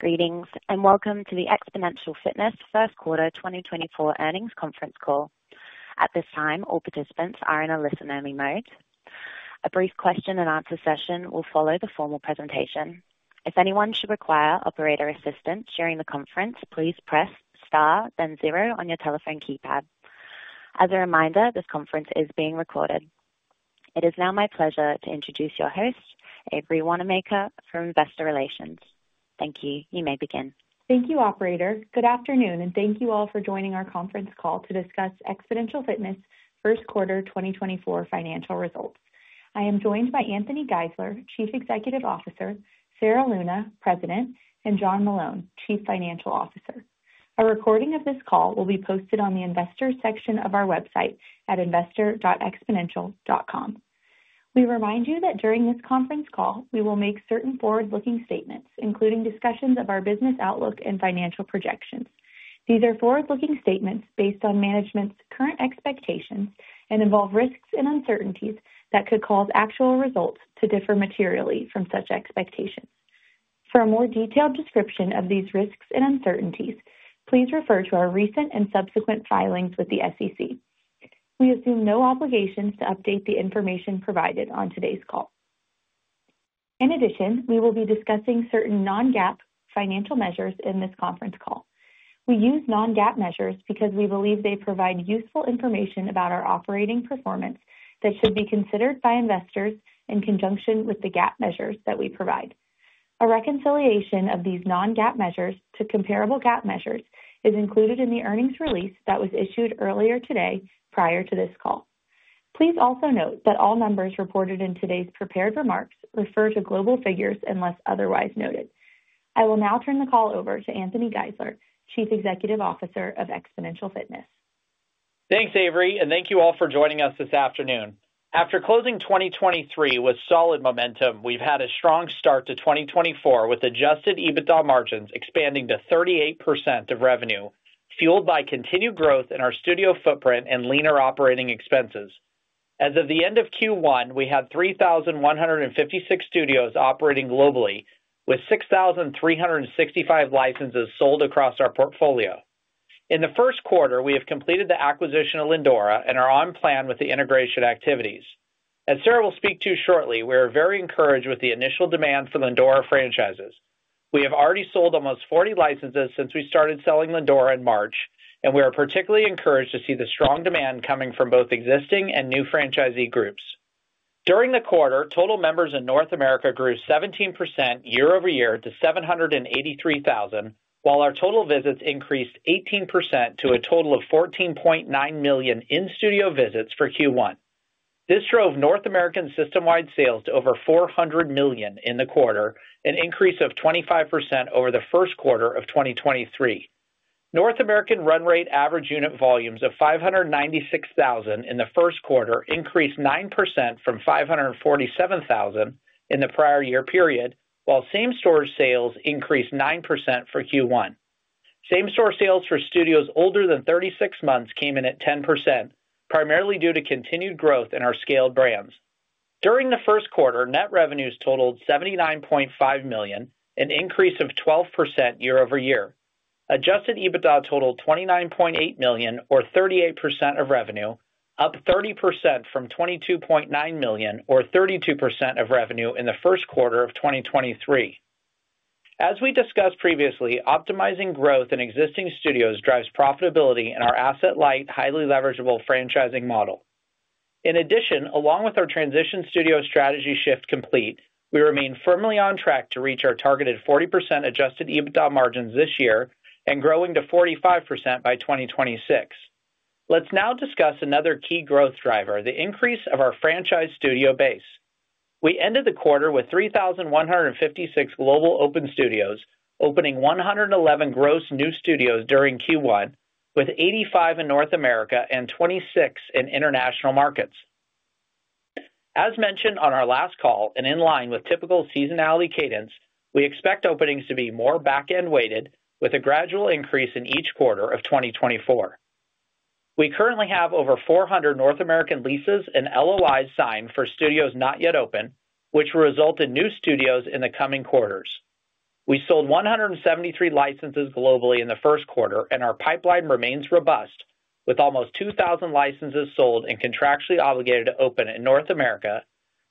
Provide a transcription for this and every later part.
Greetings and welcome to the Xponential Fitness First Quarter 2024 Earnings Conference Call. At this time, all participants are in a listen-only mode. A brief question-and-answer session will follow the formal presentation. If anyone should require operator assistance during the conference, please press star, then zero on your telephone keypad. As a reminder, this conference is being recorded. It is now my pleasure to introduce your host, Avery Wannemacher, from Investor Relations. Thank you. You may begin. Thank you, operator. Good afternoon, and thank you all for joining our conference call to discuss Xponential Fitness First Quarter 2024 financial results. I am joined by Anthony Geisler, Chief Executive Officer, Sarah Luna, President, and John Meloun, Chief Financial Officer. A recording of this call will be posted on the Investors section of our website at investor.xponential.com. We remind you that during this conference call, we will make certain forward-looking statements, including discussions of our business outlook and financial projections. These are forward-looking statements based on management's current expectations and involve risks and uncertainties that could cause actual results to differ materially from such expectations. For a more detailed description of these risks and uncertainties, please refer to our recent and subsequent filings with the SEC. We assume no obligations to update the information provided on today's call. In addition, we will be discussing certain non-GAAP financial measures in this conference call. We use non-GAAP measures because we believe they provide useful information about our operating performance that should be considered by investors in conjunction with the GAAP measures that we provide. A reconciliation of these non-GAAP measures to comparable GAAP measures is included in the earnings release that was issued earlier today prior to this call. Please also note that all numbers reported in today's prepared remarks refer to global figures unless otherwise noted. I will now turn the call over to Anthony Geisler, Chief Executive Officer of Xponential Fitness. Thanks, Avery, and thank you all for joining us this afternoon. After closing 2023 with solid momentum, we've had a strong start to 2024 with Adjusted EBITDA margins expanding to 38% of revenue, fueled by continued growth in our studio footprint and leaner operating expenses. As of the end of Q1, we had 3,156 studios operating globally, with 6,365 licenses sold across our portfolio. In the first quarter, we have completed the acquisition of Lindora and are on plan with the integration activities. As Sarah will speak to shortly, we are very encouraged with the initial demand for Lindora franchises. We have already sold almost 40 licenses since we started selling Lindora in March, and we are particularly encouraged to see the strong demand coming from both existing and new franchisee groups. During the quarter, total members in North America grew 17% year-over-year to 783,000, while our total visits increased 18% to a total of 14.9 million in-studio visits for Q1. This drove North American system-wide sales to over $400 million in the quarter, an increase of 25% over the first quarter of 2023. North American run-rate average unit volumes of $596,000 in the first quarter increased 9% from $547,000 in the prior year period, while same-store sales increased 9% for Q1. Same-store sales for studios older than 36 months came in at 10%, primarily due to continued growth in our scaled brands. During the first quarter, net revenues totaled $79.5 million, an increase of 12% year-over-year. Adjusted EBITDA totaled $29.8 million, or 38% of revenue, up 30% from $22.9 million, or 32% of revenue in the first quarter of 2023. As we discussed previously, optimizing growth in existing studios drives profitability in our asset-light, highly leverageable franchising model. In addition, along with our transition studio strategy shift complete, we remain firmly on track to reach our targeted 40% Adjusted EBITDA margins this year and growing to 45% by 2026. Let's now discuss another key growth driver: the increase of our franchise studio base. We ended the quarter with 3,156 global open studios, opening 111 gross new studios during Q1, with 85 in North America and 26 in international markets. As mentioned on our last call and in line with typical seasonality cadence, we expect openings to be more back-end weighted, with a gradual increase in each quarter of 2024. We currently have over 400 North American leases and LOIs signed for studios not yet open, which will result in new studios in the coming quarters. We sold 173 licenses globally in the first quarter, and our pipeline remains robust, with almost 2,000 licenses sold and contractually obligated to open in North America,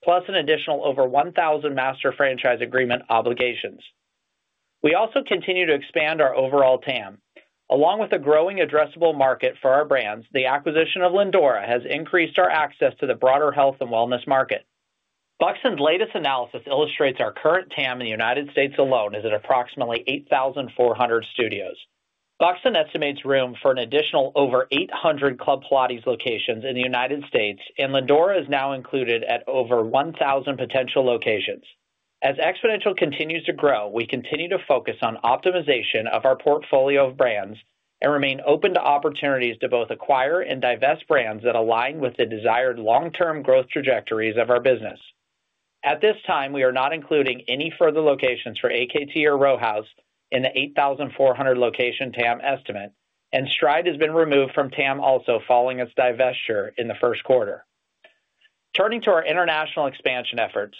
plus an additional over 1,000 master franchise agreement obligations. We also continue to expand our overall TAM. Along with a growing addressable market for our brands, the acquisition of Lindora has increased our access to the broader health and wellness market. Buxton's latest analysis illustrates our current TAM in the United States alone is at approximately 8,400 studios. Buxton estimates room for an additional over 800 Club Pilates locations in the United States, and Lindora is now included at over 1,000 potential locations. As Xponential continues to grow, we continue to focus on optimization of our portfolio of brands and remain open to opportunities to both acquire and divest brands that align with the desired long-term growth trajectories of our business. At this time, we are not including any further locations for AKT or Row House in the 8,400-location TAM estimate, and Stride has been removed from TAM also following its divestiture in the first quarter. Turning to our international expansion efforts,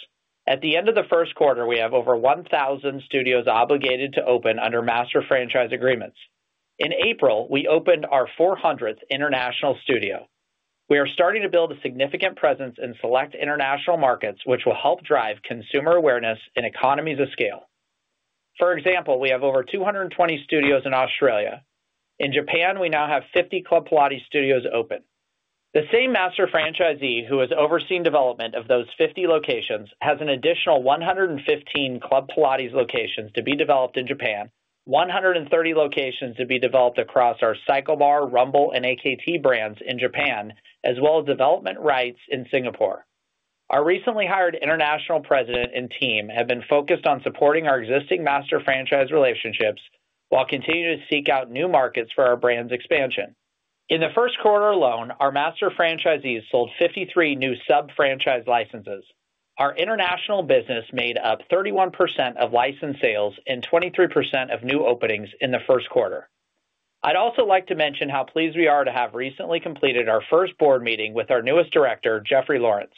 at the end of the first quarter, we have over 1,000 studios obligated to open under master franchise agreements. In April, we opened our 400th international studio. We are starting to build a significant presence in select international markets, which will help drive consumer awareness in economies of scale. For example, we have over 220 studios in Australia. In Japan, we now have 50 Club Pilates studios open. The same master franchisee who has overseen development of those 50 locations has an additional 115 Club Pilates locations to be developed in Japan, 130 locations to be developed across our CycleBar, Rumble, and AKT brands in Japan, as well as development rights in Singapore. Our recently hired international president and team have been focused on supporting our existing master franchise relationships while continuing to seek out new markets for our brand's expansion. In the first quarter alone, our master franchisees sold 53 new sub-franchise licenses. Our international business made up 31% of license sales and 23% of new openings in the first quarter. I'd also like to mention how pleased we are to have recently completed our first board meeting with our newest director, Jeffrey Lawrence.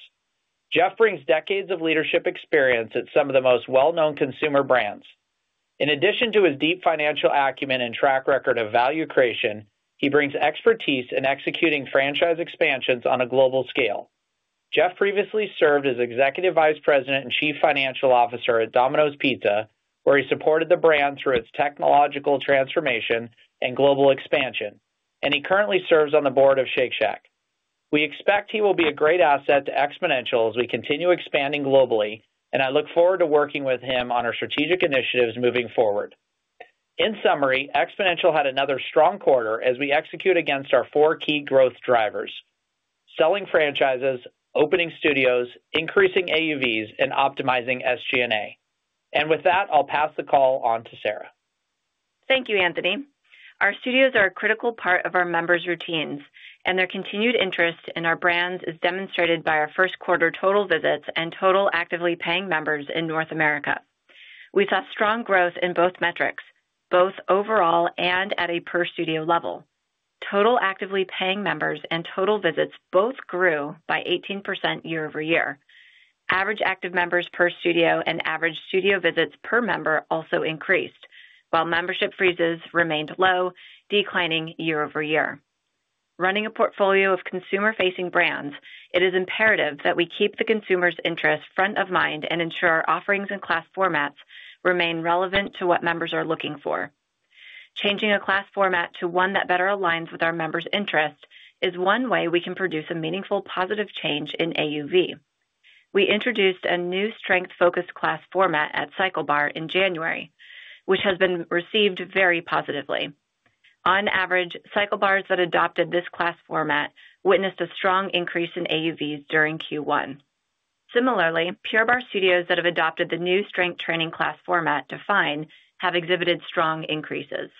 Jeff brings decades of leadership experience at some of the most well-known consumer brands. In addition to his deep financial acumen and track record of value creation, he brings expertise in executing franchise expansions on a global scale. Jeff previously served as Executive Vice President and Chief Financial Officer at Domino's Pizza, where he supported the brand through its technological transformation and global expansion, and he currently serves on the board of Shake Shack. We expect he will be a great asset to Xponential as we continue expanding globally, and I look forward to working with him on our strategic initiatives moving forward. In summary, Xponential had another strong quarter as we execute against our four key growth drivers: selling franchises, opening studios, increasing AUVs, and optimizing SG&A. With that, I'll pass the call on to Sarah. Thank you, Anthony. Our studios are a critical part of our members' routines, and their continued interest in our brands is demonstrated by our first quarter total visits and total actively paying members in North America. We saw strong growth in both metrics, both overall and at a per-studio level. Total actively paying members and total visits both grew by 18% year-over-year. Average active members per studio and average studio visits per member also increased, while membership freezes remained low, declining year-over-year. Running a portfolio of consumer-facing brands, it is imperative that we keep the consumer's interests front of mind and ensure our offerings and class formats remain relevant to what members are looking for. Changing a class format to one that better aligns with our members' interests is one way we can produce a meaningful positive change in AUV. We introduced a new strength-focused class format at CycleBar in January, which has been received very positively. On average, CycleBar studios that adopted this class format witnessed a strong increase in AUVs during Q1. Similarly, Pure Barre studios that have adopted the new strength training class format Define have exhibited strong increases.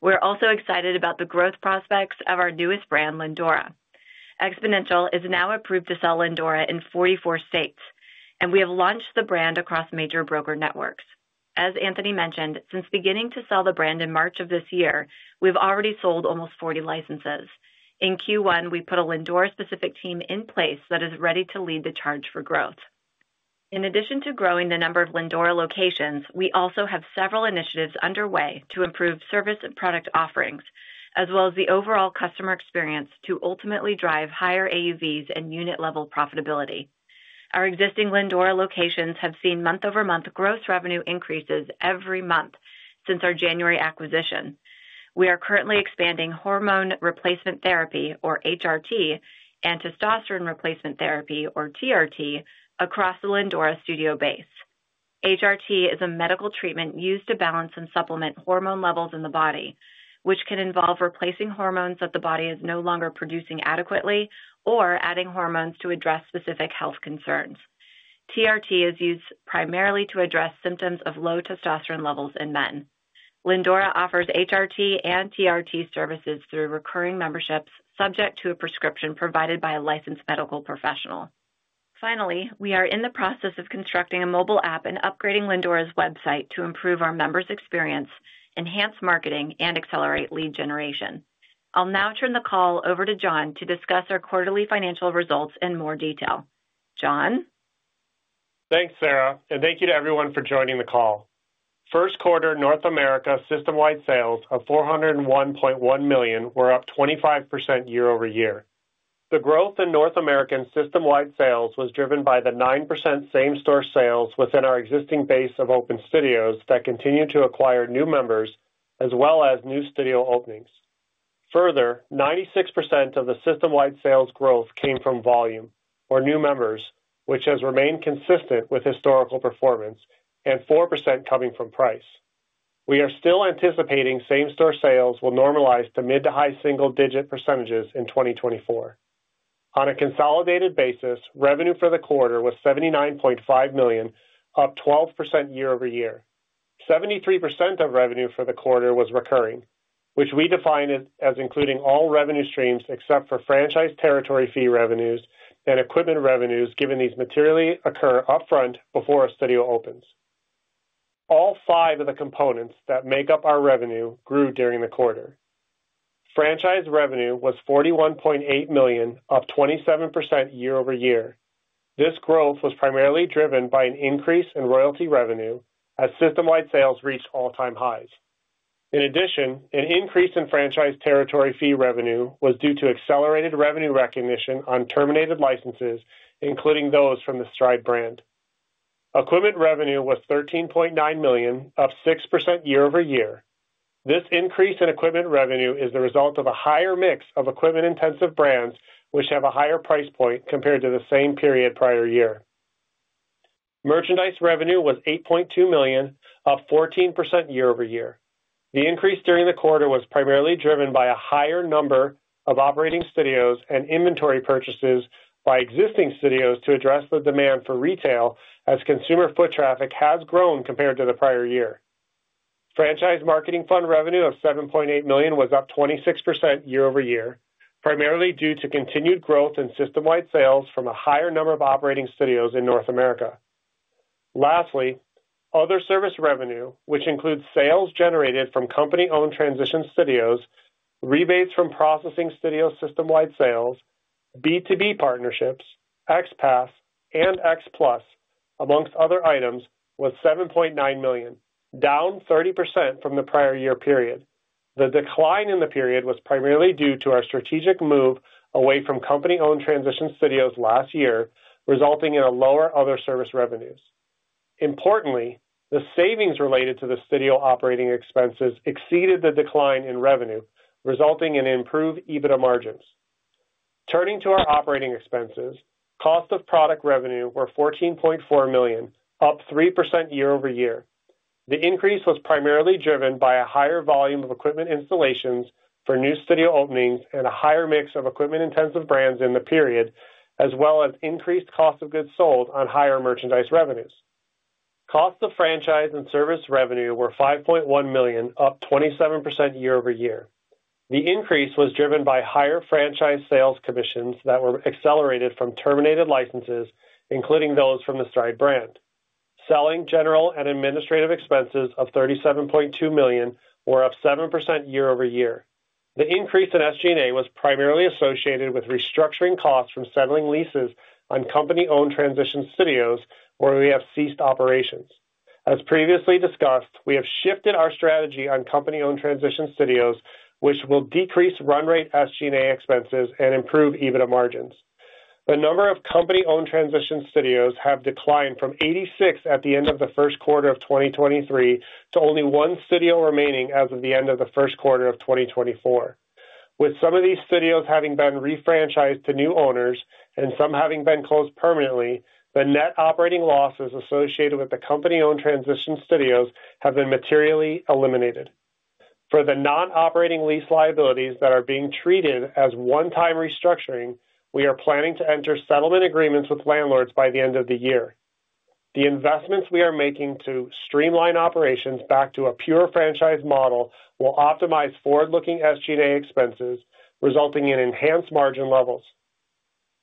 We're also excited about the growth prospects of our newest brand, Lindora. Xponential is now approved to sell Lindora in 44 states, and we have launched the brand across major broker networks. As Anthony mentioned, since beginning to sell the brand in March of this year, we've already sold almost 40 licenses. In Q1, we put a Lindora-specific team in place that is ready to lead the charge for growth. In addition to growing the number of Lindora locations, we also have several initiatives underway to improve service and product offerings, as well as the overall customer experience to ultimately drive higher AUVs and unit-level profitability. Our existing Lindora locations have seen month-over-month growth revenue increases every month since our January acquisition. We are currently expanding hormone replacement therapy, or HRT, and testosterone replacement therapy, or TRT, across the Lindora studio base. HRT is a medical treatment used to balance and supplement hormone levels in the body, which can involve replacing hormones that the body is no longer producing adequately or adding hormones to address specific health concerns. TRT is used primarily to address symptoms of low testosterone levels in men. Lindora offers HRT and TRT services through recurring memberships subject to a prescription provided by a licensed medical professional. Finally, we are in the process of constructing a mobile app and upgrading Lindora's website to improve our members' experience, enhance marketing, and accelerate lead generation. I'll now turn the call over to John to discuss our quarterly financial results in more detail. John? Thanks, Sarah, and thank you to everyone for joining the call. First quarter, North America system-wide sales of $401.1 million were up 25% year-over-year. The growth in North American system-wide sales was driven by the 9% same-store sales within our existing base of open studios that continue to acquire new members as well as new studio openings. Further, 96% of the system-wide sales growth came from volume, or new members, which has remained consistent with historical performance, and 4% coming from price. We are still anticipating same-store sales will normalize to mid- to high-single-digit percentages in 2024. On a consolidated basis, revenue for the quarter was $79.5 million, up 12% year-over-year. 73% of revenue for the quarter was recurring, which we define as including all revenue streams except for franchise territory fee revenues and equipment revenues given these materially occur upfront before a studio opens. All five of the components that make up our revenue grew during the quarter. Franchise revenue was $41.8 million, up 27% year-over-year. This growth was primarily driven by an increase in royalty revenue as system-wide sales reached all-time highs. In addition, an increase in franchise territory fee revenue was due to accelerated revenue recognition on terminated licenses, including those from the STRIDE brand. Equipment revenue was $13.9 million, up 6% year-over-year. This increase in equipment revenue is the result of a higher mix of equipment-intensive brands which have a higher price point compared to the same period prior year. Merchandise revenue was $8.2 million, up 14% year-over-year. The increase during the quarter was primarily driven by a higher number of operating studios and inventory purchases by existing studios to address the demand for retail as consumer foot traffic has grown compared to the prior year. Franchise marketing fund revenue of $7.8 million was up 26% year-over-year, primarily due to continued growth in system-wide sales from a higher number of operating studios in North America. Lastly, other service revenue, which includes sales generated from company-owned transition studios, rebates from processing studio system-wide sales, B2B partnerships, XPASS, and XPlus, amongst other items, was $7.9 million, down 30% from the prior year period. The decline in the period was primarily due to our strategic move away from company-owned transition studios last year, resulting in a lower other service revenues. Importantly, the savings related to the studio operating expenses exceeded the decline in revenue, resulting in improved EBITDA margins. Turning to our operating expenses, cost of product revenue were $14.4 million, up 3% year-over-year. The increase was primarily driven by a higher volume of equipment installations for new studio openings and a higher mix of equipment-intensive brands in the period, as well as increased cost of goods sold on higher merchandise revenues. Cost of franchise and service revenue were $5.1 million, up 27% year-over-year. The increase was driven by higher franchise sales commissions that were accelerated from terminated licenses, including those from the STRIDE brand. Selling general and administrative expenses of $37.2 million were up 7% year-over-year. The increase in SG&A was primarily associated with restructuring costs from settling leases on company-owned transition studios where we have ceased operations. As previously discussed, we have shifted our strategy on company-owned transition studios, which will decrease run-rate SG&A expenses and improve EBITDA margins. The number of company-owned transition studios have declined from 86 at the end of the first quarter of 2023 to only one studio remaining as of the end of the first quarter of 2024. With some of these studios having been refranchised to new owners and some having been closed permanently, the net operating losses associated with the company-owned transition studios have been materially eliminated. For the non-operating lease liabilities that are being treated as one-time restructuring, we are planning to enter settlement agreements with landlords by the end of the year. The investments we are making to streamline operations back to a pure franchise model will optimize forward-looking SG&A expenses, resulting in enhanced margin levels.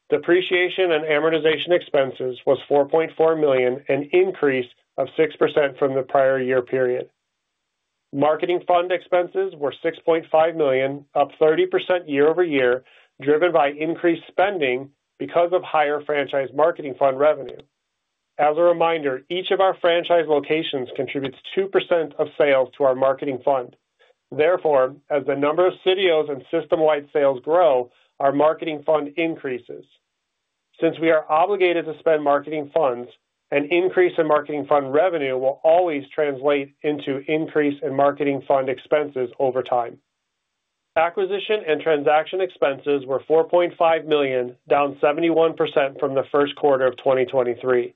Depreciation and amortization expenses was $4.4 million, an increase of 6% from the prior year period. Marketing fund expenses were $6.5 million, up 30% year-over-year, driven by increased spending because of higher franchise marketing fund revenue. As a reminder, each of our franchise locations contributes 2% of sales to our marketing fund. Therefore, as the number of studios and system-wide sales grow, our marketing fund increases. Since we are obligated to spend marketing funds, an increase in marketing fund revenue will always translate into increase in marketing fund expenses over time. Acquisition and transaction expenses were $4.5 million, down 71% from the first quarter of 2023.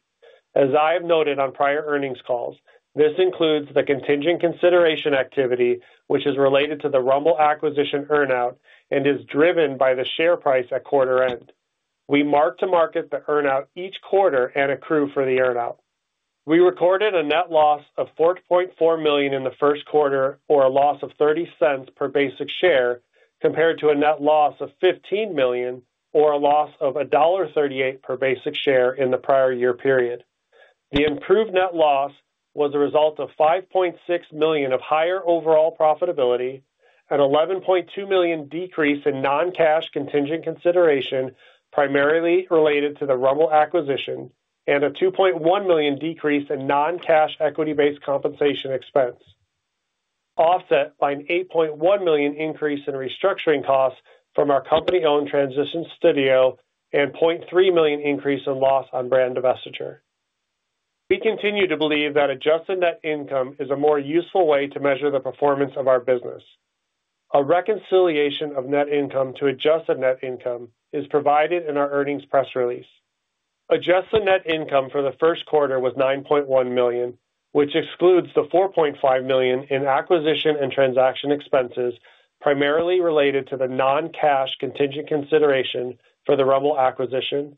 As I have noted on prior earnings calls, this includes the contingent consideration activity, which is related to the Rumble acquisition earnout and is driven by the share price at quarter end. We mark to market the earnout each quarter and accrue for the earnout. We recorded a net loss of $4.4 million in the first quarter, or a loss of $0.30 per basic share, compared to a net loss of $15 million, or a loss of $1.38 per basic share in the prior year period. The improved net loss was a result of $5.6 million of higher overall profitability, an $11.2 million decrease in non-cash contingent consideration primarily related to the Rumble acquisition, and a $2.1 million decrease in non-cash equity-based compensation expense, offset by an $8.1 million increase in restructuring costs from our company-owned transition studio and $0.3 million increase in loss on brand divestiture. We continue to believe that adjusted net income is a more useful way to measure the performance of our business. A reconciliation of net income to adjusted net income is provided in our earnings press release. Adjusted net income for the first quarter was $9.1 million, which excludes the $4.5 million in acquisition and transaction expenses primarily related to the non-cash contingent consideration for the Rumble acquisition,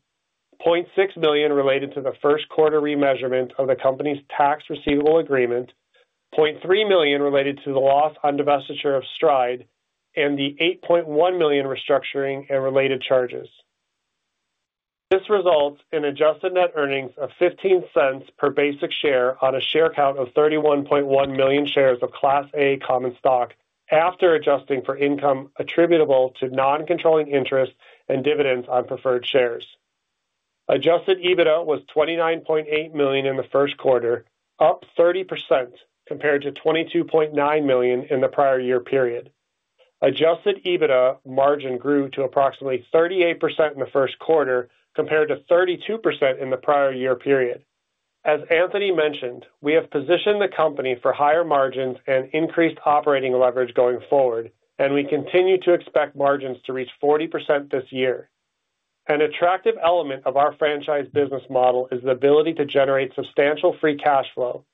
$0.6 million related to the first quarter remeasurement of the company's tax receivable agreement, $0.3 million related to the loss on divestiture of STRIDE, and the $8.1 million restructuring and related charges. This results in adjusted net earnings of $0.15 per basic share on a share count of 31.1 million shares of Class A common stock after adjusting for income attributable to non-controlling interest and dividends on preferred shares. Adjusted EBITDA was $29.8 million in the first quarter, up 30% compared to $22.9 million in the prior year period. Adjusted EBITDA margin grew to approximately 38% in the first quarter compared to 32% in the prior year period. As Anthony mentioned, we have positioned the company for higher margins and increased operating leverage going forward, and we continue to expect margins to reach 40% this year. An attractive element of our franchise business model is the ability to generate substantial free cash flow.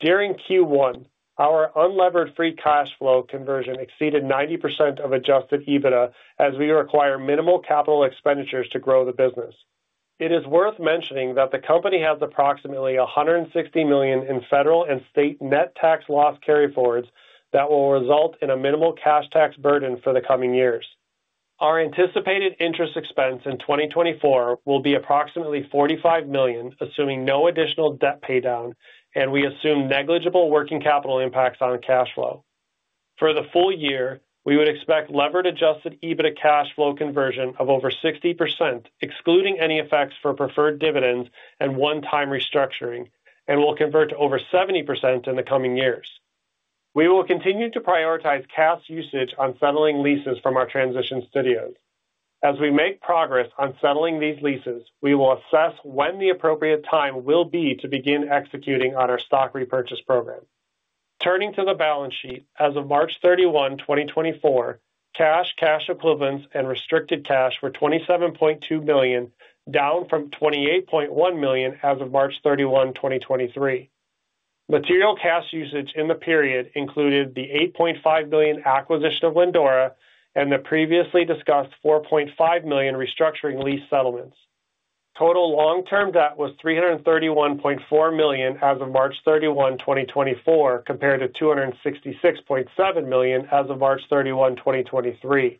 During Q1, our unlevered free cash flow conversion exceeded 90% of Adjusted EBITDA as we require minimal capital expenditures to grow the business. It is worth mentioning that the company has approximately $160 million in federal and state net tax loss carryforwards that will result in a minimal cash tax burden for the coming years. Our anticipated interest expense in 2024 will be approximately $45 million, assuming no additional debt paydown, and we assume negligible working capital impacts on cash flow. For the full year, we would expect levered adjusted EBITDA cash flow conversion of over 60%, excluding any effects for preferred dividends and one-time restructuring, and will convert to over 70% in the coming years. We will continue to prioritize cash usage on settling leases from our transition studios. As we make progress on settling these leases, we will assess when the appropriate time will be to begin executing on our stock repurchase program. Turning to the balance sheet, as of March 31, 2024, cash, cash equivalents, and restricted cash were $27.2 million, down from $28.1 million as of March 31, 2023. Material cash usage in the period included the $8.5 million acquisition of Lindora and the previously discussed $4.5 million restructuring lease settlements. Total long-term debt was $331.4 million as of March 31, 2024, compared to $266.7 million as of March 31, 2023.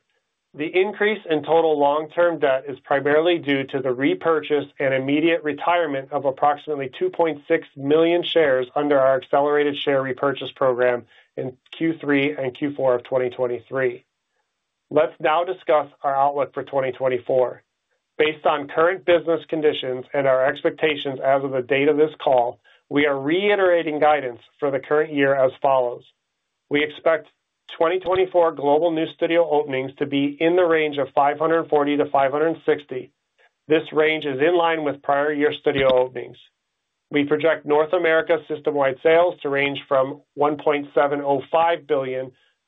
The increase in total long-term debt is primarily due to the repurchase and immediate retirement of approximately 2.6 million shares under our accelerated share repurchase program in Q3 and Q4 of 2023. Let's now discuss our outlook for 2024. Based on current business conditions and our expectations as of the date of this call, we are reiterating guidance for the current year as follows. We expect 2024 global new studio openings to be in the range of 540-560. This range is in line with prior year studio openings. We project North America system-wide sales to range from $1.705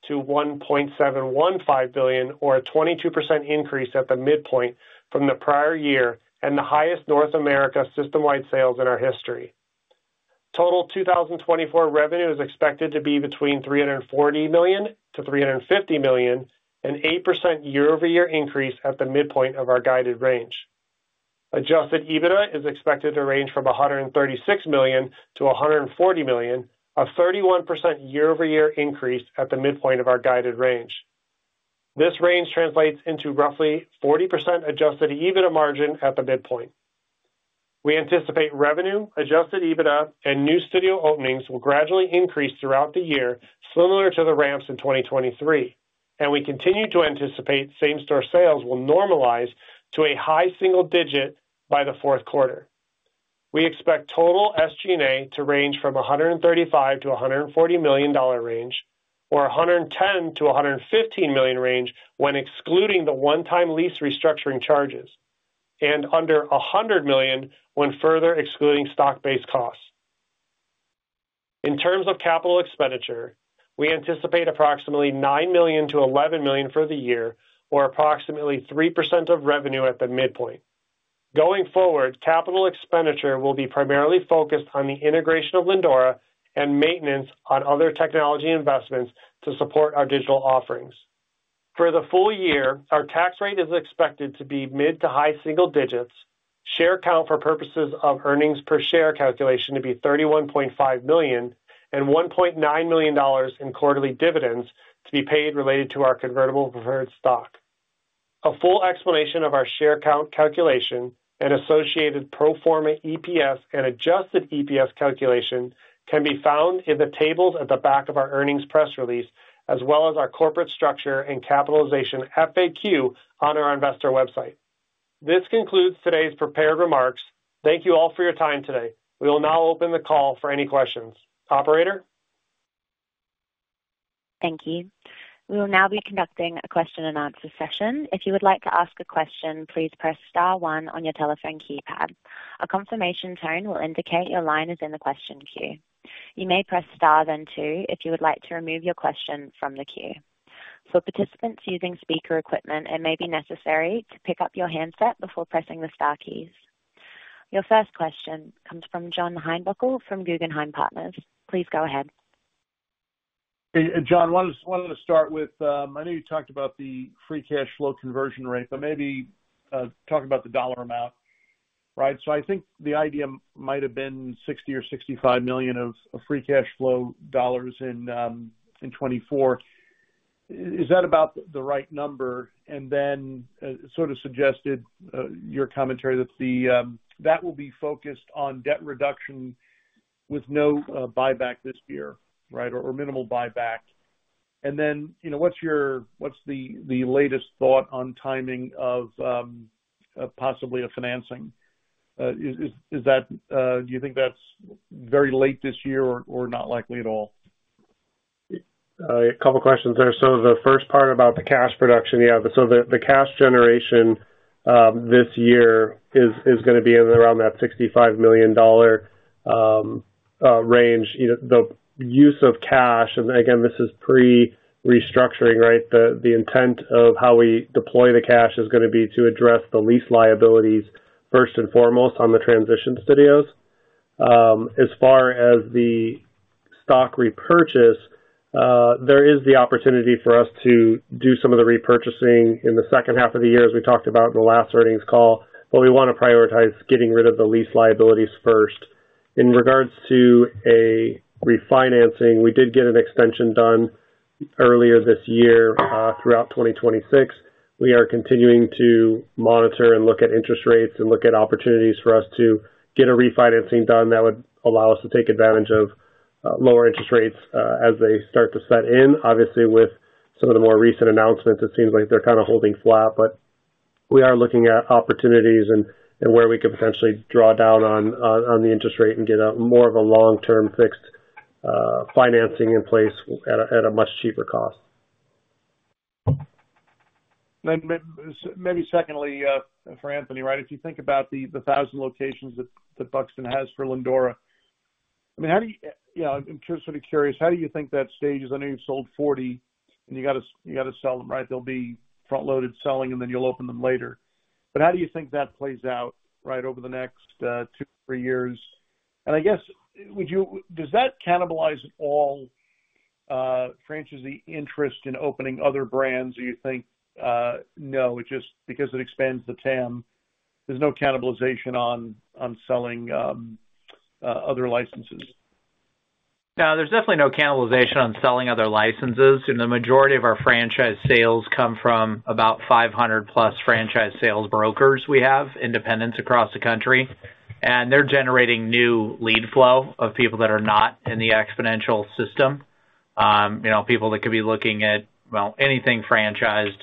billion-$1.715 billion, or a 22% increase at the midpoint from the prior year and the highest North America system-wide sales in our history. Total 2024 revenue is expected to be between $340 million-$350 million, an 8% year-over-year increase at the midpoint of our guided range. Adjusted EBITDA is expected to range from $136 million-$140 million, a 31% year-over-year increase at the midpoint of our guided range. This range translates into roughly 40% adjusted EBITDA margin at the midpoint. We anticipate revenue, adjusted EBITDA, and new studio openings will gradually increase throughout the year, similar to the ramps in 2023, and we continue to anticipate same-store sales will normalize to a high single digit by the fourth quarter. We expect total SG&A to range from $135 million-$140 million range, or $110 million-$115 million range when excluding the one-time lease restructuring charges, and under $100 million when further excluding stock-based costs. In terms of capital expenditure, we anticipate approximately $9 million-$11 million for the year, or approximately 3% of revenue at the midpoint. Going forward, capital expenditure will be primarily focused on the integration of Lindora and maintenance on other technology investments to support our digital offerings. For the full year, our tax rate is expected to be mid- to high-single digits, share count for purposes of earnings per share calculation to be 31.5 million, and $1.9 million in quarterly dividends to be paid related to our convertible preferred stock. A full explanation of our share count calculation and associated pro forma EPS and adjusted EPS calculation can be found in the tables at the back of our earnings press release, as well as our corporate structure and capitalization FAQ on our investor website. This concludes today's prepared remarks. Thank you all for your time today. We will now open the call for any questions. Operator? Thank you. We will now be conducting a question-and-answer session. If you would like to ask a question, please press star one on your telephone keypad. A confirmation tone will indicate your line is in the question queue. You may press star then two if you would like to remove your question from the queue. For participants using speaker equipment, it may be necessary to pick up your handset before pressing the star keys. Your first question comes from John Heinbockel from Guggenheim Partners. Please go ahead. John, why don't I start with I know you talked about the free cash flow conversion rate, but maybe talk about the dollar amount, right? So I think the idea might have been $60 million-$65 million of free cash flow dollars in 2024. Is that about the right number? And then it sort of suggested your commentary that that will be focused on debt reduction with no buyback this year, right, or minimal buyback. And then what's the latest thought on timing of possibly a financing? Do you think that's very late this year or not likely at all? A couple of questions there. So the first part about the cash production, yeah. So the cash generation this year is going to be around that $65 million range. The use of cash, and again, this is pre-restructuring, right? The intent of how we deploy the cash is going to be to address the lease liabilities first and foremost on the transition studios. As far as the stock repurchase, there is the opportunity for us to do some of the repurchasing in the second half of the year as we talked about in the last earnings call, but we want to prioritize getting rid of the lease liabilities first. In regards to a refinancing, we did get an extension done earlier this year throughout 2026. We are continuing to monitor and look at interest rates and look at opportunities for us to get a refinancing done that would allow us to take advantage of lower interest rates as they start to set in. Obviously, with some of the more recent announcements, it seems like they're kind of holding flat, but we are looking at opportunities and where we could potentially draw down on the interest rate and get more of a long-term fixed financing in place at a much cheaper cost. Maybe secondly for Anthony, right? If you think about the 1,000 locations that Buxton has for Lindora, I mean, how do you. I'm just sort of curious. How do you think that stages? I know you've sold 40, and you got to sell them, right? They'll be front-loaded selling, and then you'll open them later. But how do you think that plays out, right, over the next two, three years? And I guess, does that cannibalize at all franchisee interest in opening other brands, or do you think, no, because it expands the TAM? There's no cannibalization on selling other licenses? Now, there's definitely no cannibalization on selling other licenses. The majority of our franchise sales come from about 500+ franchise sales brokers we have, independents across the country, and they're generating new lead flow of people that are not in the Xponential system, people that could be looking at, well, anything franchised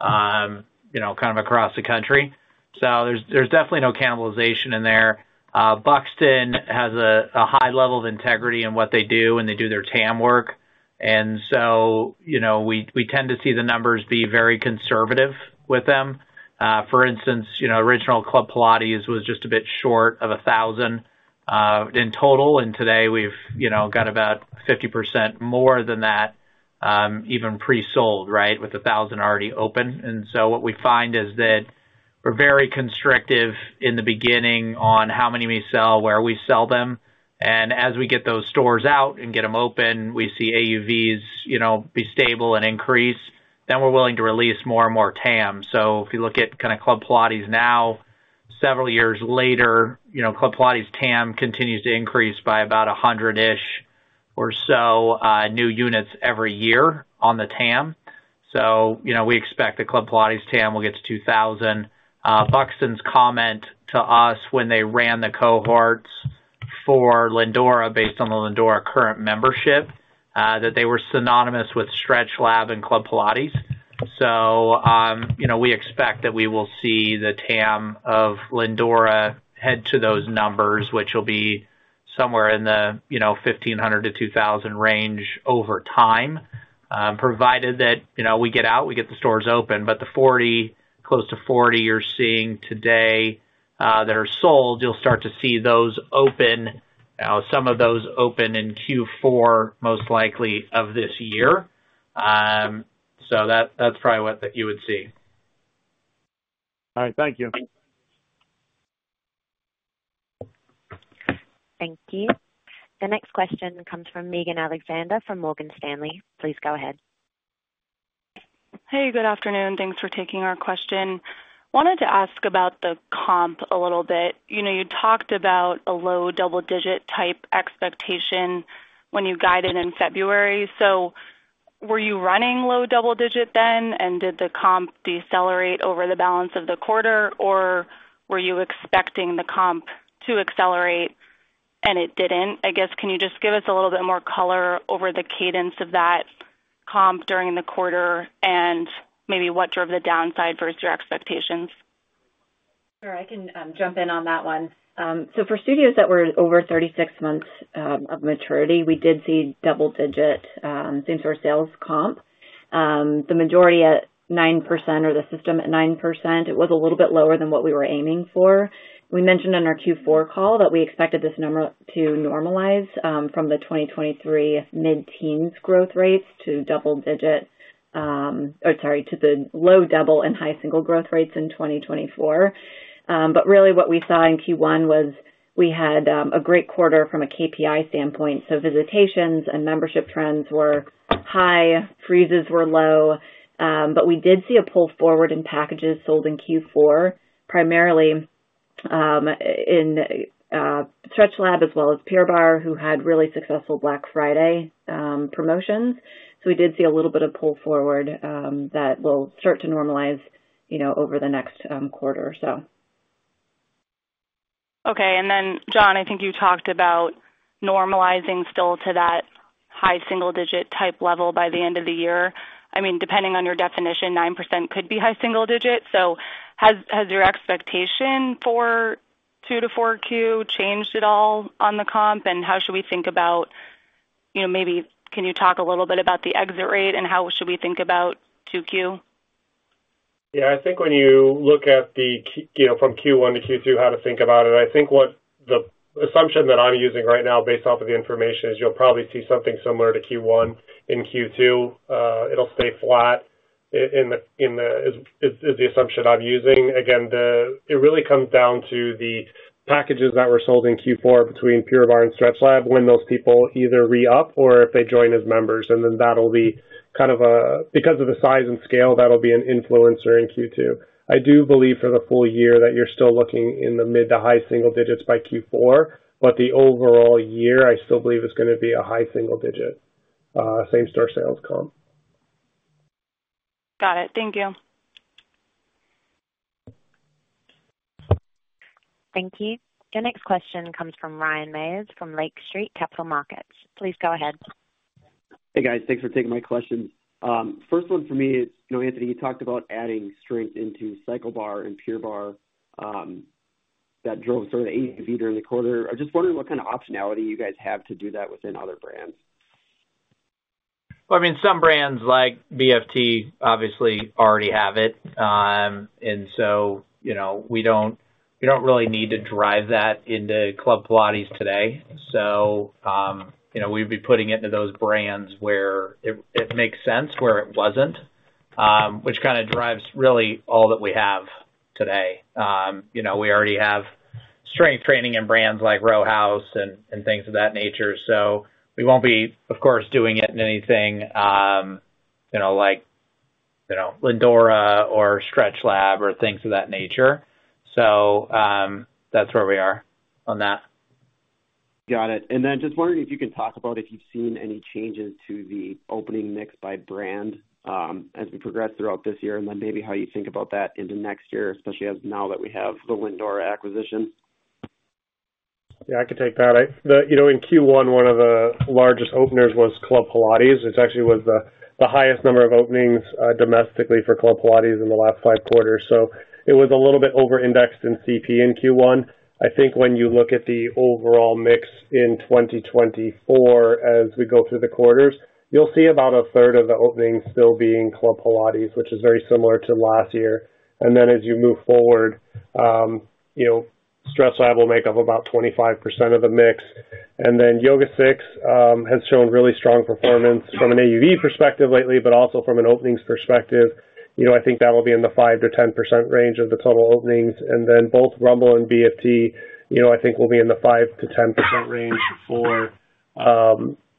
kind of across the country. So there's definitely no cannibalization in there. Buxton has a high level of integrity in what they do, and they do their TAM work. And so we tend to see the numbers be very conservative with them. For instance, original Club Pilates was just a bit short of 1,000 in total, and today we've got about 50% more than that even pre-sold, right, with 1,000 already open. And so what we find is that we're very constrictive in the beginning on how many we sell, where we sell them. As we get those stores out and get them open, we see AUVs be stable and increase, then we're willing to release more and more TAM. So if you look at kind of Club Pilates now, several years later, Club Pilates TAM continues to increase by about 100-ish or so new units every year on the TAM. So we expect the Club Pilates TAM will get to 2,000. Buxton's comment to us when they ran the cohorts for Lindora, based on the Lindora current membership, that they were synonymous with StretchLab and Club Pilates. So we expect that we will see the TAM of Lindora head to those numbers, which will be somewhere in the 1,500-2,000 range over time, provided that we get out, we get the stores open. The 40, close to 40 you're seeing today that are sold, you'll start to see those open. Some of those open in Q4 most likely of this year. That's probably what you would see. All right. Thank you. Thank you. The next question comes from Megan Alexander from Morgan Stanley. Please go ahead. Hey, good afternoon. Thanks for taking our question. Wanted to ask about the comp a little bit. You talked about a low double-digit type expectation when you guided in February. So were you running low double-digit then, and did the comp decelerate over the balance of the quarter, or were you expecting the comp to accelerate and it didn't? I guess, can you just give us a little bit more color over the cadence of that comp during the quarter and maybe what drove the downside versus your expectations? Sure. I can jump in on that one. So for studios that were over 36 months of maturity, we did see double-digit same-store sales comp. The majority at 9% or the system at 9%, it was a little bit lower than what we were aiming for. We mentioned on our Q4 call that we expected this number to normalize from the 2023 mid-teens growth rates to double-digit or sorry, to the low double and high single growth rates in 2024. But really, what we saw in Q1 was we had a great quarter from a KPI standpoint. So visitations and membership trends were high, freezes were low. But we did see a pull forward in packages sold in Q4, primarily in StretchLab as well as Pure Barre, who had really successful Black Friday promotions. We did see a little bit of pull forward that will start to normalize over the next quarter, so. Okay. And then, John, I think you talked about normalizing still to that high single-digit type level by the end of the year. I mean, depending on your definition, 9% could be high single-digit. So has your expectation for Q2 to Q4 changed at all on the comp, and how should we think about maybe can you talk a little bit about the exit rate, and how should we think about Q2? Yeah. I think when you look at the from Q1 to Q2, how to think about it, I think the assumption that I'm using right now based off of the information is you'll probably see something similar to Q1 in Q2. It'll stay flat is the assumption I'm using. Again, it really comes down to the packages that were sold in Q4 between Pure Barre and StretchLab when those people either re-up or if they join as members. And then that'll be kind of a because of the size and scale, that'll be an influence in Q2. I do believe for the full year that you're still looking in the mid- to high-single digits by Q4, but the overall year, I still believe it's going to be a high single-digit, same-store sales comp. Got it. Thank you. Thank you. Your next question comes from Ryan Meyers from Lake Street Capital Markets. Please go ahead. Hey, guys. Thanks for taking my questions. First one for me is, Anthony, you talked about adding strength into CycleBar and Pure Barre that drove sort of the AUV during the quarter. I'm just wondering what kind of optionality you guys have to do that within other brands. Well, I mean, some brands like BFT, obviously, already have it. And so we don't really need to drive that into Club Pilates today. So we'd be putting it into those brands where it makes sense, where it wasn't, which kind of drives really all that we have today. We already have strength training in brands like Row House and things of that nature. So we won't be, of course, doing it in anything like Lindora or StretchLab or things of that nature. So that's where we are on that. Got it. And then just wondering if you can talk about if you've seen any changes to the opening mix by brand as we progress throughout this year, and then maybe how you think about that into next year, especially now that we have the Lindora acquisition. Yeah, I could take that. In Q1, one of the largest openers was Club Pilates. It actually was the highest number of openings domestically for Club Pilates in the last five quarters. So it was a little bit over-indexed in CP in Q1. I think when you look at the overall mix in 2024 as we go through the quarters, you'll see about a third of the openings still being Club Pilates, which is very similar to last year. And then as you move forward, StretchLab will make up about 25% of the mix. And then YogaSix has shown really strong performance from an AUV perspective lately, but also from an openings perspective. I think that'll be in the 5%-10% range of the total openings. And then both Rumble and BFT, I think, will be in the 5%-10% range for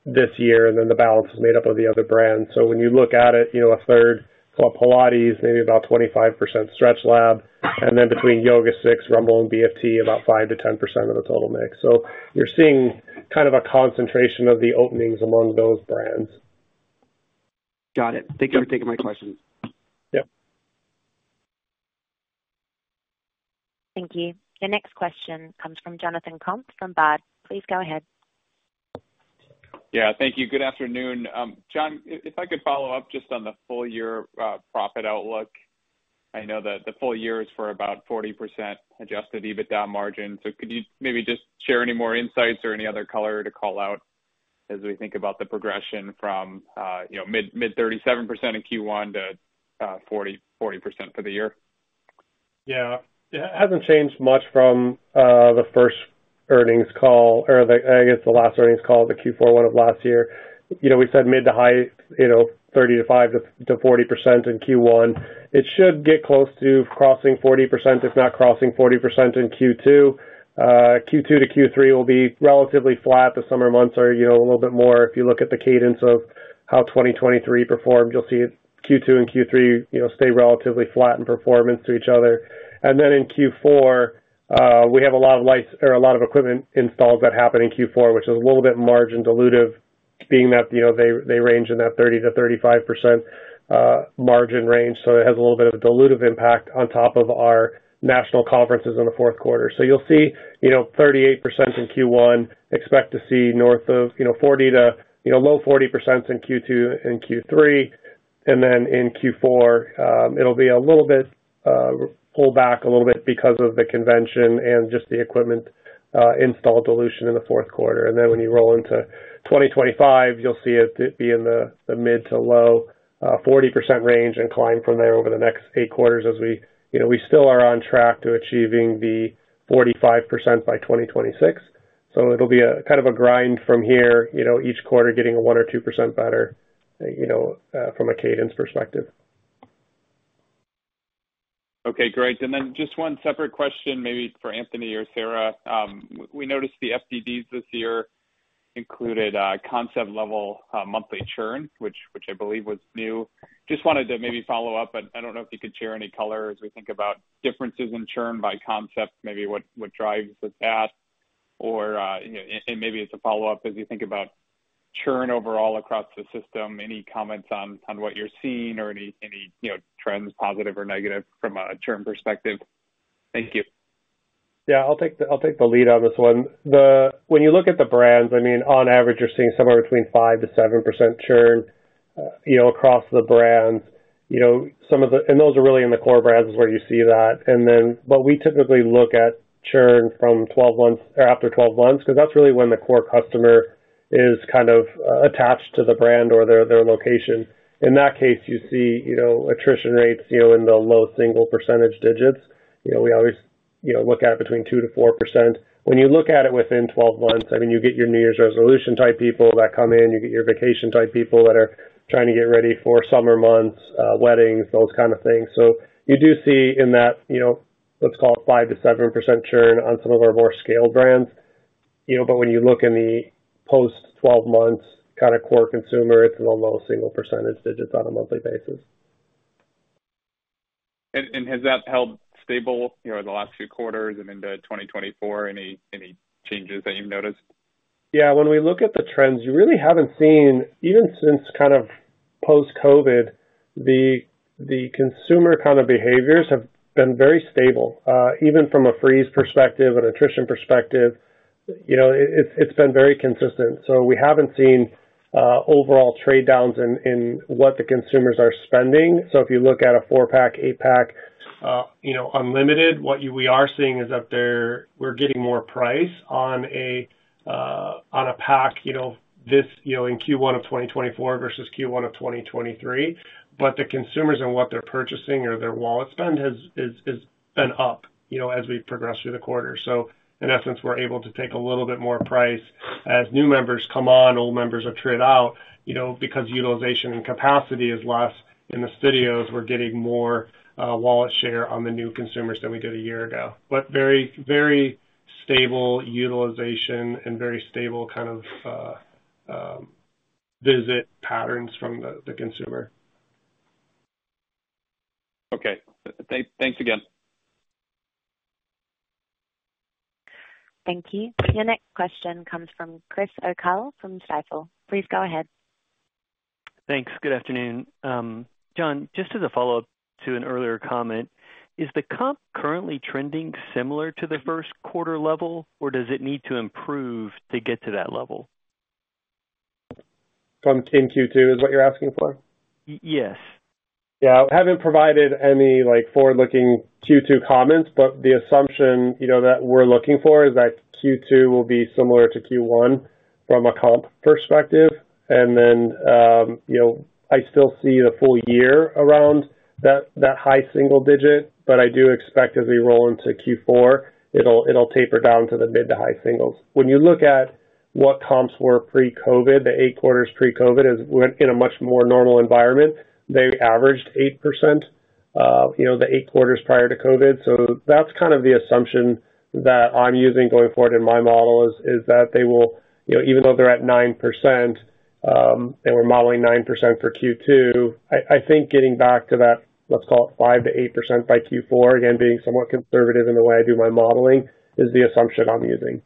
this year. And then the balance is made up of the other brands. So when you look at it, a third Club Pilates, maybe about 25% StretchLab. And then between YogaSix, Rumble, and BFT, about 5%-10% of the total mix. So you're seeing kind of a concentration of the openings among those brands. Got it. Thank you for taking my questions. Yep. Thank you. Your next question comes from Jonathan Komp from Baird. Please go ahead. Yeah. Thank you. Good afternoon. John, if I could follow up just on the full-year profit outlook. I know that the full year is for about 40% Adjusted EBITDA margin. So could you maybe just share any more insights or any other color to call out as we think about the progression from mid-37% in Q1 to 40% for the year? Yeah. It hasn't changed much from the first earnings call or I guess the last earnings call at the Q4/Q1 of last year. We said mid- to high-30s to 40% in Q1. It should get close to crossing 40%, if not crossing 40% in Q2. Q2 to Q3 will be relatively flat. The summer months are a little bit more. If you look at the cadence of how 2023 performed, you'll see Q2 and Q3 stay relatively flat in performance to each other. And then in Q4, we have a lot of sites or a lot of equipment installs that happen in Q4, which is a little bit margin-dilutive, being that they range in that 30%-35% margin range. So it has a little bit of a dilutive impact on top of our national conferences in the fourth quarter. So you'll see 38% in Q1, expect to see north of 40% to low 40%s in Q2 and Q3. And then in Q4, it'll be a little bit pull back a little bit because of the convention and just the equipment install dilution in the fourth quarter. And then when you roll into 2025, you'll see it be in the mid- to low 40% range and climb from there over the next eight quarters as we we still are on track to achieving the 45% by 2026. So it'll be kind of a grind from here each quarter, getting a 1% or 2% better from a cadence perspective. Okay. Great. And then just one separate question maybe for Anthony or Sarah. We noticed the FDDs this year included concept-level monthly churn, which I believe was new. Just wanted to maybe follow up, but I don't know if you could share any color as we think about differences in churn by concept, maybe what drives it at. And maybe it's a follow-up as you think about churn overall across the system, any comments on what you're seeing or any trends, positive or negative, from a churn perspective. Thank you. Yeah. I'll take the lead on this one. When you look at the brands, I mean, on average, you're seeing somewhere between 5%-7% churn across the brands. And those are really in the core brands is where you see that. But we typically look at churn from 12 months or after 12 months because that's really when the core customer is kind of attached to the brand or their location. In that case, you see attrition rates in the low single percentage digits. We always look at it between 2%-4%. When you look at it within 12 months, I mean, you get your New Year's resolution type people that come in. You get your vacation type people that are trying to get ready for summer months, weddings, those kind of things. So you do see in that, let's call it, 5%-7% churn on some of our more scaled brands. But when you look in the post-12-months kind of core consumer, it's in the low single percentage digits on a monthly basis. Has that held stable over the last few quarters and into 2024, any changes that you've noticed? Yeah. When we look at the trends, you really haven't seen, even since kind of post-COVID, the consumer kind of behaviors have been very stable, even from a freeze perspective, an attrition perspective. It's been very consistent. So we haven't seen overall trade-downs in what the consumers are spending. So if you look at a four-pack, eight-pack unlimited, what we are seeing is that we're getting more price on a pack in Q1 of 2024 versus Q1 of 2023. But the consumers and what they're purchasing or their wallet spend has been up as we progress through the quarter. So in essence, we're able to take a little bit more price as new members come on, old members are trade out because utilization and capacity is less in the studios. We're getting more wallet share on the new consumers than we did a year ago. But very stable utilization and very stable kind of visit patterns from the consumer. Okay. Thanks again. Thank you. Your next question comes from Chris O'Cull from Stifel. Please go ahead. Thanks. Good afternoon. John, just as a follow-up to an earlier comment, is the comp currently trending similar to the first quarter level, or does it need to improve to get to that level? From in Q2 is what you're asking for? Yes. Yeah. I haven't provided any forward-looking Q2 comments, but the assumption that we're looking for is that Q2 will be similar to Q1 from a comp perspective. And then I still see the full year around that high single digit, but I do expect as we roll into Q4, it'll taper down to the mid- to high-single digits. When you look at what comps were pre-COVID, the eight quarters pre-COVID, in a much more normal environment, they averaged 8% the eight quarters prior to COVID. So that's kind of the assumption that I'm using going forward in my model is that they will even though they're at 9% and we're modeling 9% for Q2, I think getting back to that, let's call it, 5%-8% by Q4, again, being somewhat conservative in the way I do my modeling, is the assumption I'm using.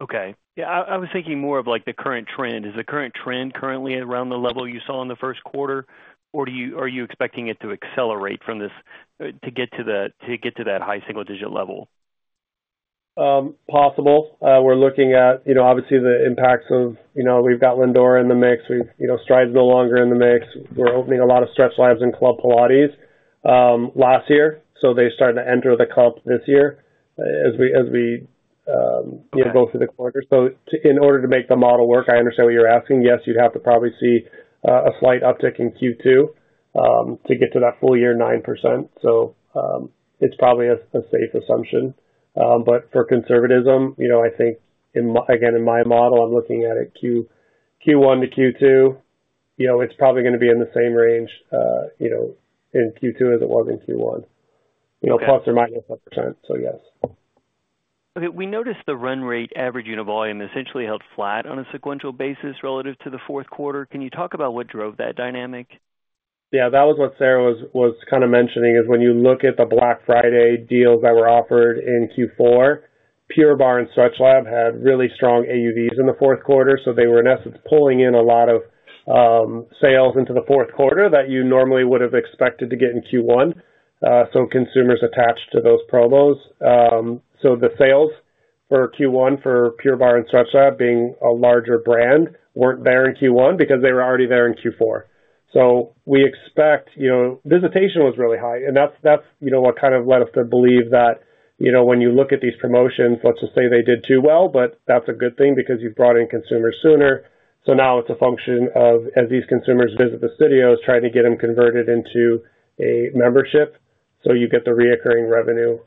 Okay. Yeah. I was thinking more of the current trend. Is the current trend currently around the level you saw in the first quarter, or are you expecting it to accelerate to get to that high single-digit level? Possible. We're looking at, obviously, the impacts of we've got Lindora in the mix. STRIDE no longer in the mix. We're opening a lot of StretchLab and Club Pilates last year, so they started to enter the comp this year as we go through the quarter. So in order to make the model work, I understand what you're asking. Yes, you'd have to probably see a slight uptick in Q2 to get to that full-year 9%. So it's probably a safe assumption. But for conservatism, I think, again, in my model, I'm looking at it Q1 to Q2. It's probably going to be in the same range in Q2 as it was in Q1, plus or minus a percent. So yes. Okay. We noticed the run rate average unit volume essentially held flat on a sequential basis relative to the fourth quarter. Can you talk about what drove that dynamic? Yeah. That was what Sarah was kind of mentioning is when you look at the Black Friday deals that were offered in Q4, Pure Barre and StretchLab had really strong AUVs in the fourth quarter. So they were, in essence, pulling in a lot of sales into the fourth quarter that you normally would have expected to get in Q1. So consumers attached to those promos. So the sales for Q1 for Pure Barre and StretchLab, being a larger brand, weren't there in Q1 because they were already there in Q4. So we expect visitation was really high. And that's what kind of led us to believe that when you look at these promotions, let's just say they did too well, but that's a good thing because you've brought in consumers sooner. So now it's a function of, as these consumers visit the studios, trying to get them converted into a membership. So you get the recurring revenue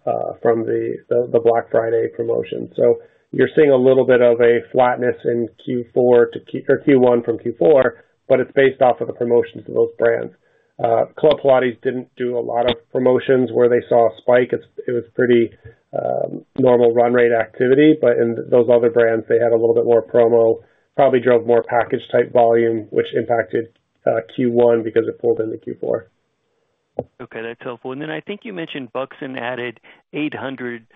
from the Black Friday promotion. So you're seeing a little bit of a flatness in Q1 from Q4, but it's based off of the promotions of those brands. Club Pilates didn't do a lot of promotions where they saw a spike. It was pretty normal run rate activity. But in those other brands, they had a little bit more promo, probably drove more package-type volume, which impacted Q1 because it pulled into Q4. Okay. That's helpful. And then I think you mentioned Buxton added 800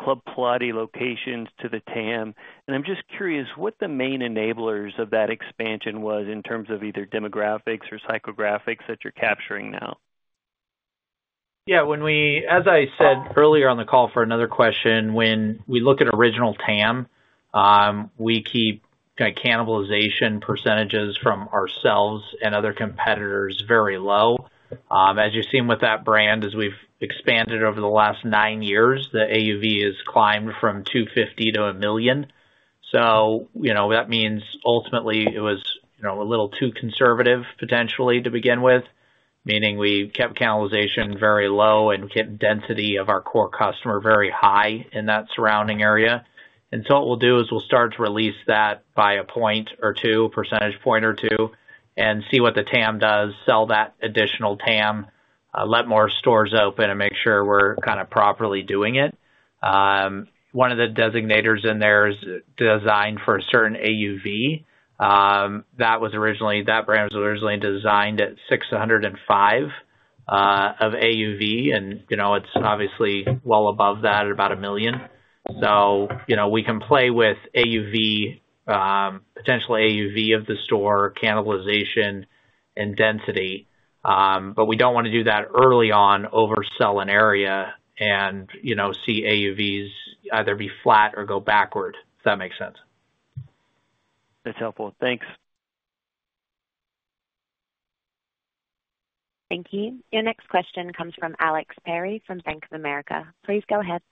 Club Pilates locations to the TAM. And I'm just curious what the main enablers of that expansion was in terms of either demographics or psychographics that you're capturing now. Yeah. As I said earlier on the call for another question, when we look at original TAM, we keep cannibalization percentages from ourselves and other competitors very low. As you've seen with that brand, as we've expanded over the last nine years, the AUV has climbed from $250,000 to $1 million. So that means, ultimately, it was a little too conservative, potentially, to begin with, meaning we kept cannibalization very low and kept density of our core customer very high in that surrounding area. So what we'll do is we'll start to release that by a point or two, percentage point or two, and see what the TAM does, sell that additional TAM, let more stores open, and make sure we're kind of properly doing it. One of the designators in there is designed for a certain AUV. That brand was originally designed at 605 of AUV, and it's obviously well above that at about a million. So we can play with potential AUV of the store, cannibalization, and density. But we don't want to do that early on, oversell an area, and see AUVs either be flat or go backward, if that makes sense. That's helpful. Thanks. Thank you. Your next question comes from Alex Perry from Bank of America. Please go ahead.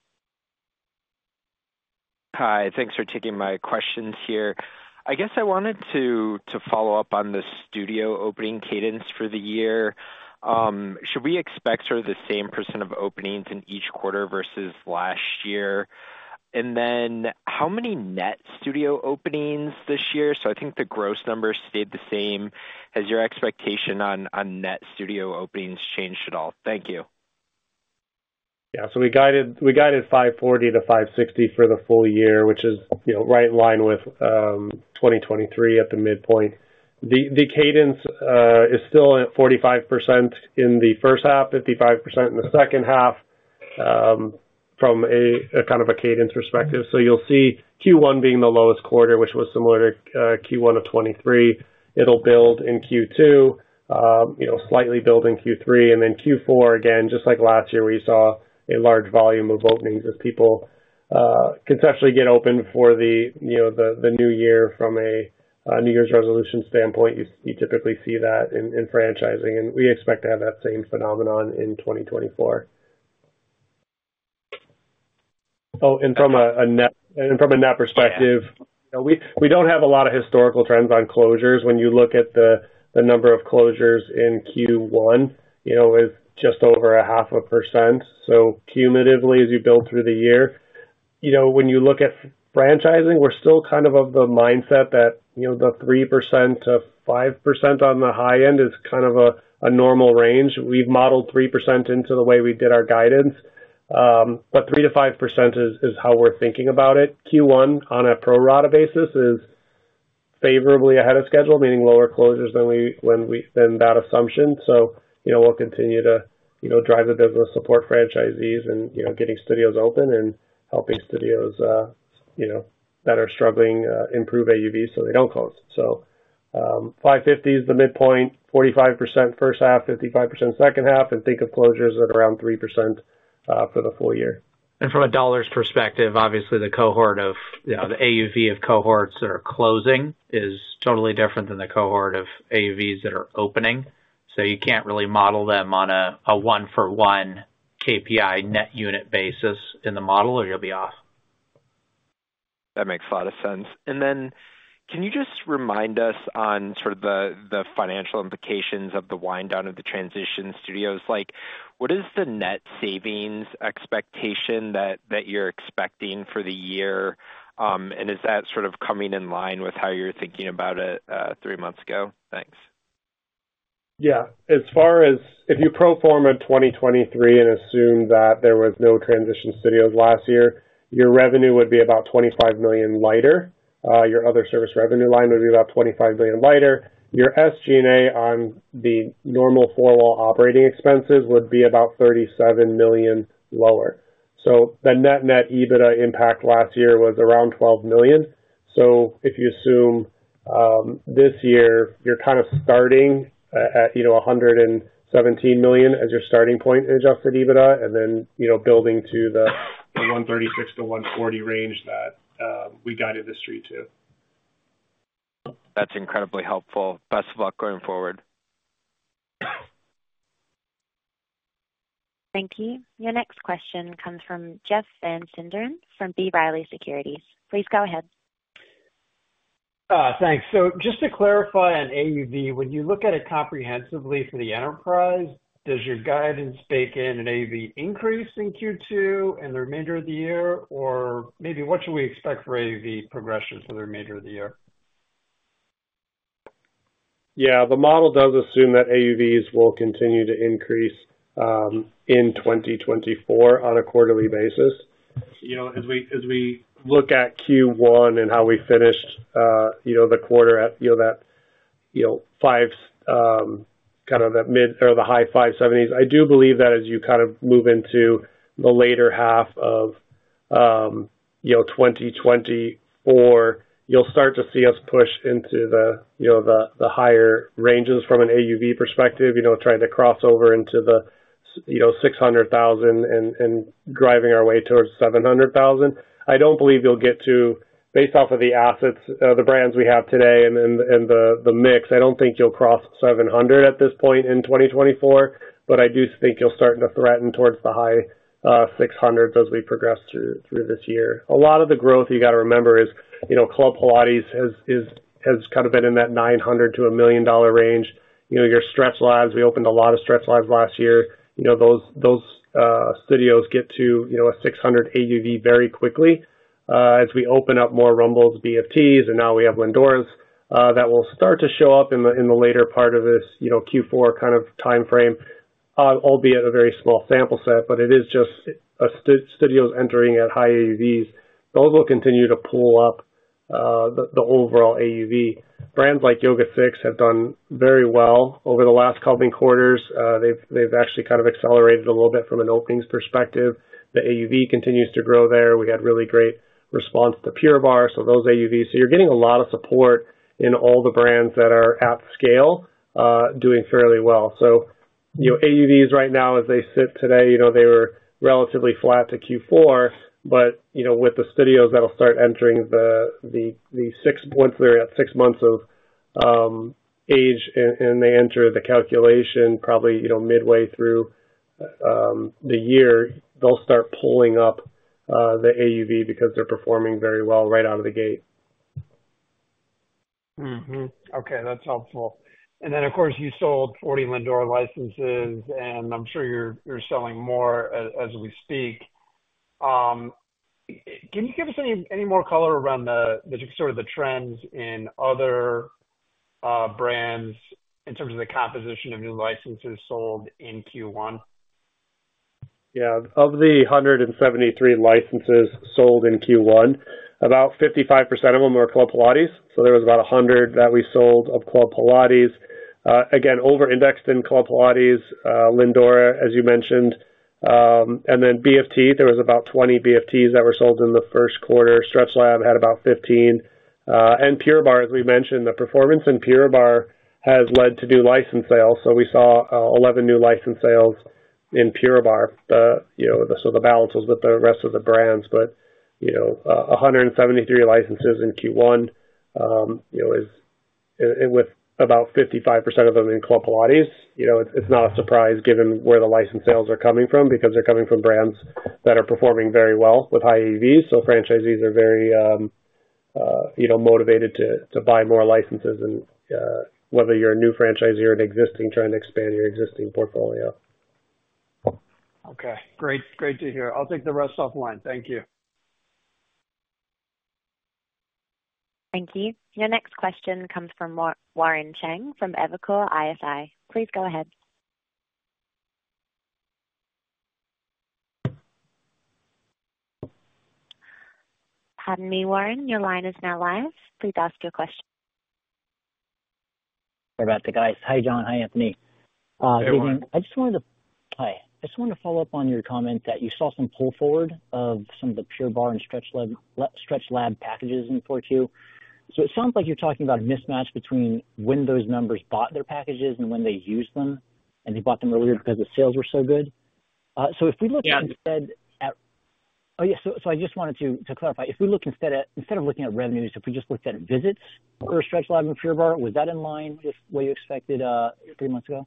Hi. Thanks for taking my questions here. I guess I wanted to follow up on the studio opening cadence for the year. Should we expect sort of the same percent of openings in each quarter versus last year? And then how many net studio openings this year? So I think the gross number stayed the same. Has your expectation on net studio openings changed at all? Thank you. Yeah. So we guided 540-560 for the full year, which is right in line with 2023 at the midpoint. The cadence is still at 45% in the first half, 55% in the second half from kind of a cadence perspective. So you'll see Q1 being the lowest quarter, which was similar to Q1 of 2023. It'll build in Q2, slightly build in Q3. And then Q4, again, just like last year, we saw a large volume of openings as people conceptually get open for the new year. From a New Year's resolution standpoint, you typically see that in franchising. And we expect to have that same phenomenon in 2024. Oh, and from a net perspective, we don't have a lot of historical trends on closures. When you look at the number of closures in Q1, it's just over 0.5%. So cumulatively, as you build through the year, when you look at franchising, we're still kind of of the mindset that the 3%-5% on the high end is kind of a normal range. We've modeled 3% into the way we did our guidance. But 3%-5% is how we're thinking about it. Q1, on a pro-rata basis, is favorably ahead of schedule, meaning lower closures than that assumption. So we'll continue to drive the business, support franchisees, and getting studios open and helping studios that are struggling improve AUVs so they don't close. So 550 is the midpoint, 45% first half, 55% second half, and think of closures at around 3% for the full year. From a dollar's perspective, obviously, the AUV of cohorts that are closing is totally different than the cohort of AUVs that are opening. You can't really model them on a one-for-one KPI net unit basis in the model, or you'll be off. That makes a lot of sense. And then can you just remind us on sort of the financial implications of the wind-down of the transition studios? What is the net savings expectation that you're expecting for the year? And is that sort of coming in line with how you're thinking about it three months ago? Thanks. Yeah. As far as if you pro forma 2023 and assumed that there was no transition studios last year, your revenue would be about $25 million lighter. Your other service revenue line would be about $25 million lighter. Your SG&A on the normal four-wall operating expenses would be about $37 million lower. So the net-net EBITDA impact last year was around $12 million. So if you assume this year, you're kind of starting at $117 million as your starting point in adjusted EBITDA and then building to the $136 million-$140 million range that we guided the street to. That's incredibly helpful. Best of luck going forward. Thank you. Your next question comes from Jeff Van Sinderen from B. Riley Securities. Please go ahead. Thanks. So just to clarify on AUV, when you look at it comprehensively for the enterprise, does your guidance bake in an AUV increase in Q2 and the remainder of the year? Or maybe what should we expect for AUV progression for the remainder of the year? Yeah. The model does assume that AUVs will continue to increase in 2024 on a quarterly basis. As we look at Q1 and how we finished the quarter at that kind of the high $570,000s, I do believe that as you kind of move into the later half of 2024, you'll start to see us push into the higher ranges from an AUV perspective, trying to cross over into the $600,000 and driving our way towards $700,000. I don't believe you'll get to based off of the assets, the brands we have today, and the mix. I don't think you'll cross $700,000 at this point in 2024. But I do think you'll start to threaten towards the high $600,000s as we progress through this year. A lot of the growth, you got to remember, is Club Pilates has kind of been in that $900,000-$1 million range. Our StretchLab, we opened a lot of StretchLabs last year. Those studios get to a $600 AUV very quickly. As we open up more Rumbles, BFTs, and now we have Lindoras, that will start to show up in the later part of this Q4 kind of timeframe, albeit a very small sample set. But it is just studios entering at high AUVs. Those will continue to pull up the overall AUV. Brands like YogaSix have done very well over the last coming quarters. They've actually kind of accelerated a little bit from an openings perspective. The AUV continues to grow there. We had really great response to Pure Barre, so those AUVs. So you're getting a lot of support in all the brands that are at scale doing fairly well. So AUVs right now, as they sit today, they were relatively flat to Q4. With the studios that'll start entering once they're at six months of age and they enter the calculation probably midway through the year, they'll start pulling up the AUV because they're performing very well right out of the gate. Okay. That's helpful. And then, of course, you sold 40 Lindora licenses, and I'm sure you're selling more as we speak. Can you give us any more color around sort of the trends in other brands in terms of the composition of new licenses sold in Q1? Yeah. Of the 173 licenses sold in Q1, about 55% of them were Club Pilates. So there was about 100 that we sold of Club Pilates, again, over-indexed in Club Pilates, Lindora, as you mentioned. And then BFTs, there was about 20 BFTs that were sold in the first quarter. StretchLab had about 15. And Pure Barre, as we mentioned, the performance in Pure Barre has led to new license sales. So we saw 11 new license sales in Pure Barre. So the balance was with the rest of the brands. But 173 licenses in Q1 with about 55% of them in Club Pilates, it's not a surprise given where the license sales are coming from because they're coming from brands that are performing very well with high AUVs. So franchisees are very motivated to buy more licenses, whether you're a new franchisee or an existing, trying to expand your existing portfolio. Okay. Great to hear. I'll take the rest offline. Thank you. Thank you. Your next question comes from Warren Cheng from Evercore ISI. Please go ahead. Pardon me, Warren. Your line is now live. Please ask your question. Sorry about the guys. Hi, John. Hi, Anthony. I just wanted to follow up on your comment that you saw some pull forward of some of the Pure Barre and StretchLab packages in Q1. So it sounds like you're talking about a mismatch between when those members bought their packages and when they used them, and they bought them earlier because the sales were so good. So if we look instead at oh, yeah. So I just wanted to clarify. If we look instead of looking at revenues, if we just looked at visits for StretchLab and Pure Barre, was that in line with what you expected three months ago?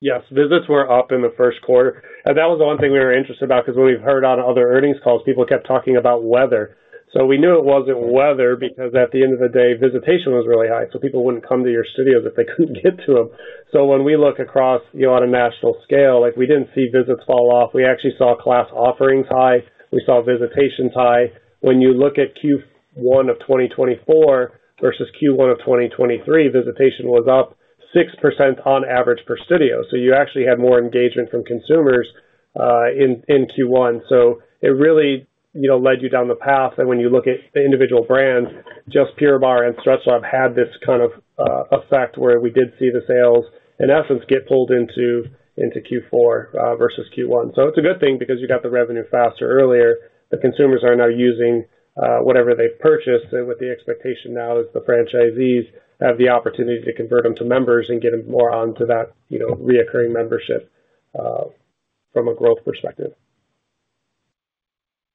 Yes. Visits were up in the first quarter. That was the one thing we were interested about because when we've heard on other earnings calls, people kept talking about weather. We knew it wasn't weather because, at the end of the day, visitation was really high. People wouldn't come to your studios if they couldn't get to them. When we look across on a national scale, we didn't see visits fall off. We actually saw class offerings high. We saw visitations high. When you look at Q1 of 2024 versus Q1 of 2023, visitation was up 6% on average per studio. You actually had more engagement from consumers in Q1. So it really led you down the path. When you look at the individual brands, just Pure Barre and StretchLab had this kind of effect where we did see the sales, in essence, get pulled into Q4 versus Q1. So it's a good thing because you got the revenue faster earlier. The consumers are now using whatever they've purchased with the expectation now is the franchisees have the opportunity to convert them to members and get them more onto that recurring membership from a growth perspective.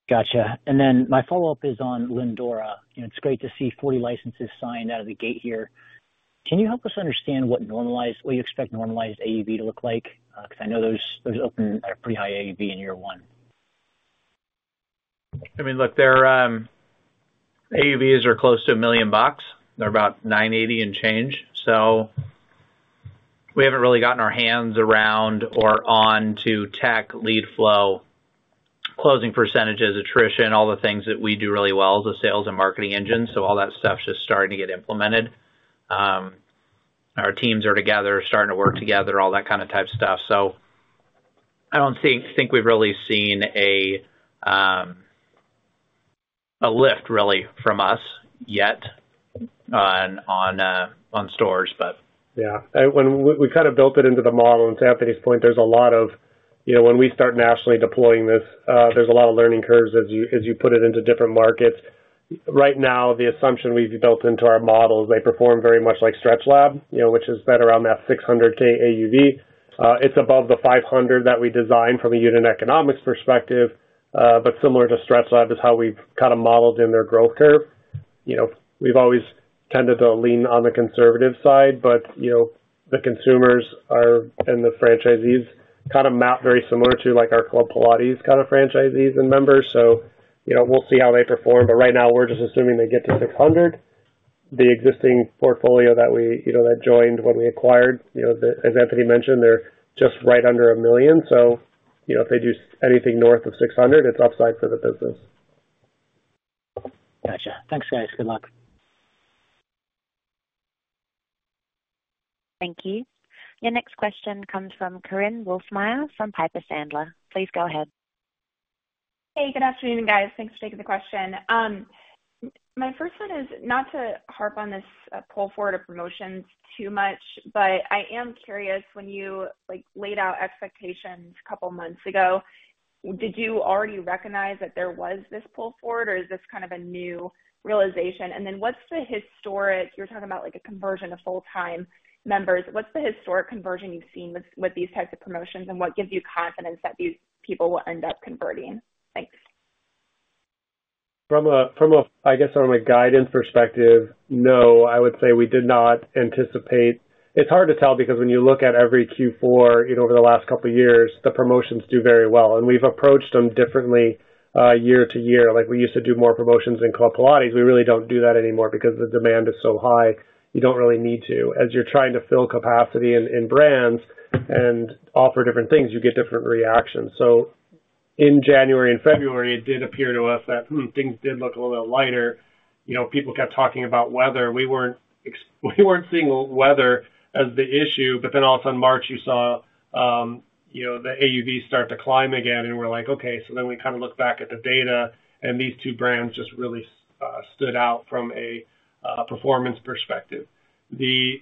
Gotcha. Then my follow-up is on Lindora. It's great to see 40 licenses signed out of the gate here. Can you help us understand what you expect normalized AUV to look like? Because I know those open at a pretty high AUV in year one. I mean, look, AUVs are close to $1 million. They're about $980 in change So we haven't really gotten our hands around or onto tech lead flow, closing percentages, attrition, all the things that we do really well as a sales and marketing engine. So all that stuff's just starting to get implemented. Our teams are together, starting to work together, all that kind of type stuff. So I don't think we've really seen a lift, really, from us yet on stores, but. Yeah. When we kind of built it into the model, and to Anthony's point, there's a lot of when we start nationally deploying this, there's a lot of learning curves as you put it into different markets. Right now, the assumption we've built into our model is they perform very much like StretchLab, which is set around that $600K AUV. It's above the $500K that we designed from a unit economics perspective. Similar to StretchLab is how we've kind of modeled in their growth curve. We've always tended to lean on the conservative side, but the consumers and the franchisees kind of map very similar to our Club Pilates kind of franchisees and members. So we'll see how they perform. Right now, we're just assuming they get to $600K. The existing portfolio that joined when we acquired, as Anthony mentioned, they're just right under $1 million. So if they do anything north of $600, it's upside for the business. Gotcha. Thanks, guys. Good luck. Thank you. Your next question comes from Korinne Wolfmeyer from Piper Sandler. Please go ahead. Hey. Good afternoon, guys. Thanks for taking the question. My first one is not to harp on this pull forward of promotions too much, but I am curious, when you laid out expectations a couple of months ago, did you already recognize that there was this pull forward, or is this kind of a new realization? And then what's the historical you were talking about a conversion of full-time members. What's the historical conversion you've seen with these types of promotions, and what gives you confidence that these people will end up converting? Thanks. From a, I guess, from a guidance perspective, no. I would say we did not anticipate. It's hard to tell because when you look at every Q4 over the last couple of years, the promotions do very well. And we've approached them differently year to year. We used to do more promotions in Club Pilates. We really don't do that anymore because the demand is so high. You don't really need to. As you're trying to fill capacity in brands and offer different things, you get different reactions. So in January and February, it did appear to us that things did look a little bit lighter. People kept talking about weather. We weren't seeing weather as the issue. But then all of a sudden, March, you saw the AUVs start to climb again, and we're like, "Okay." So then we kind of looked back at the data, and these two brands just really stood out from a performance perspective. The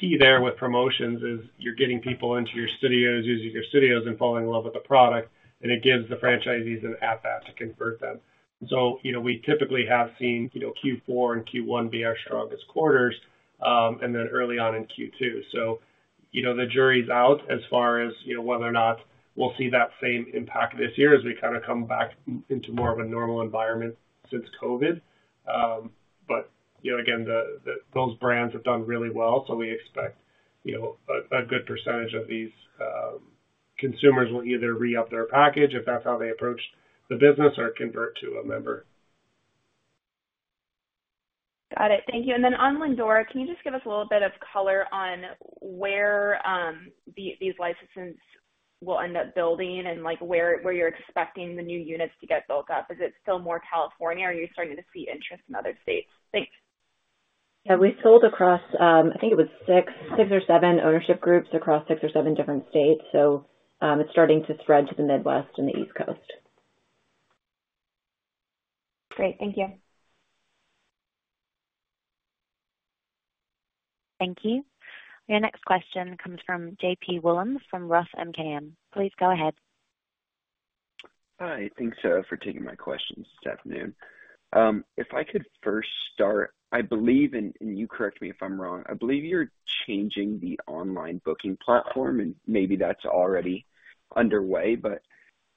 key there with promotions is you're getting people into your studios, using your studios, and falling in love with the product. And it gives the franchisees an appetite to convert them. So we typically have seen Q4 and Q1 be our strongest quarters and then early on in Q2. So the jury's out as far as whether or not we'll see that same impact this year as we kind of come back into more of a normal environment since COVID. But again, those brands have done really well, so we expect a good percentage of these consumers will either re-up their package if that's how they approach the business or convert to a member. Got it. Thank you. And then on Lindora, can you just give us a little bit of color on where these licenses will end up building and where you're expecting the new units to get built up? Is it still more California, or are you starting to see interest in other states? Thanks. Yeah. We sold across I think it was six or seven ownership groups across six or seven different states. So it's starting to spread to the Midwest and the East Coast. Great. Thank you. Thank you. Your next question comes from J.P. Wollam from Roth MKM. Please go ahead. Hi. Thanks, Sarah, for taking my questions this afternoon. If I could first start, I believe, and you correct me if I'm wrong, I believe you're changing the online booking platform, and maybe that's already underway. But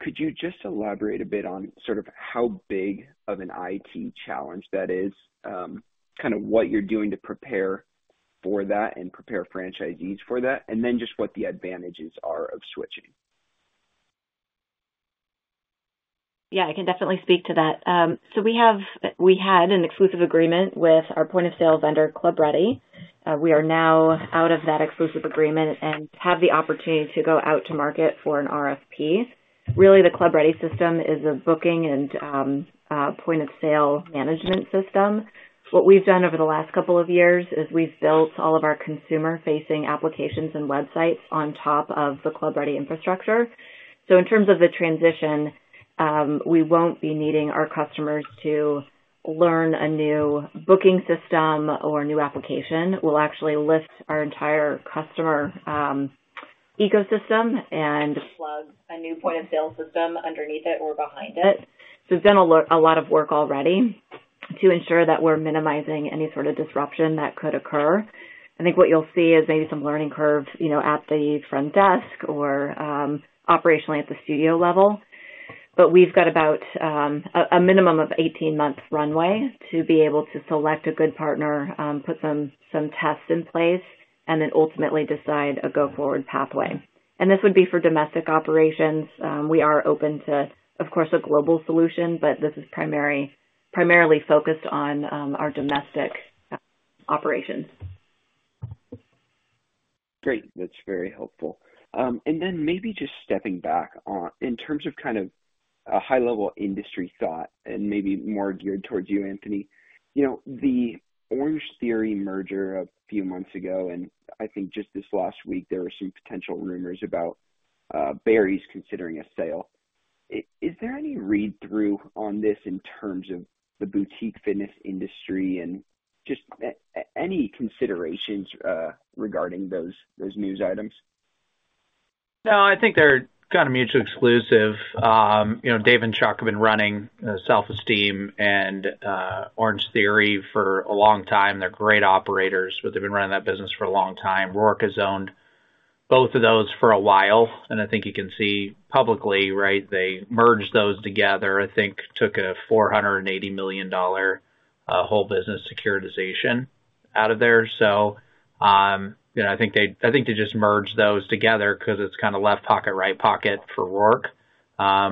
could you just elaborate a bit on sort of how big of an IT challenge that is, kind of what you're doing to prepare for that and prepare franchisees for that, and then just what the advantages are of switching? Yeah. I can definitely speak to that. So we had an exclusive agreement with our point of sale vendor, ClubReady. We are now out of that exclusive agreement and have the opportunity to go out to market for an RFP. Really, the ClubReady system is a booking and point of sale management system. What we've done over the last couple of years is we've built all of our consumer-facing applications and websites on top of the ClubReady infrastructure. So in terms of the transition, we won't be needing our customers to learn a new booking system or new application. We'll actually lift our entire customer ecosystem and plug a new point of sale system underneath it or behind it. So we've done a lot of work already to ensure that we're minimizing any sort of disruption that could occur. I think what you'll see is maybe some learning curve at the front desk or operationally at the studio level. But we've got about a minimum of 18-month runway to be able to select a good partner, put some tests in place, and then ultimately decide a go-forward pathway. And this would be for domestic operations. We are open to, of course, a global solution, but this is primarily focused on our domestic operations. Great. That's very helpful. And then maybe just stepping back in terms of kind of a high-level industry thought and maybe more geared towards you, Anthony, the Orangetheory merger a few months ago, and I think just this last week, there were some potential rumors about Barry's considering a sale. Is there any read-through on this in terms of the boutique fitness industry and just any considerations regarding those news items? No. I think they're kind of mutually exclusive. Dave and Chuck have been running Self Esteem and Orangetheory for a long time. They're great operators, but they've been running that business for a long time. Roark has owned both of those for a while. And I think you can see publicly, right, they merged those together. I think took a $480 million whole business securitization out of there. So I think they just merged those together because it's kind of left pocket, right pocket for Roark.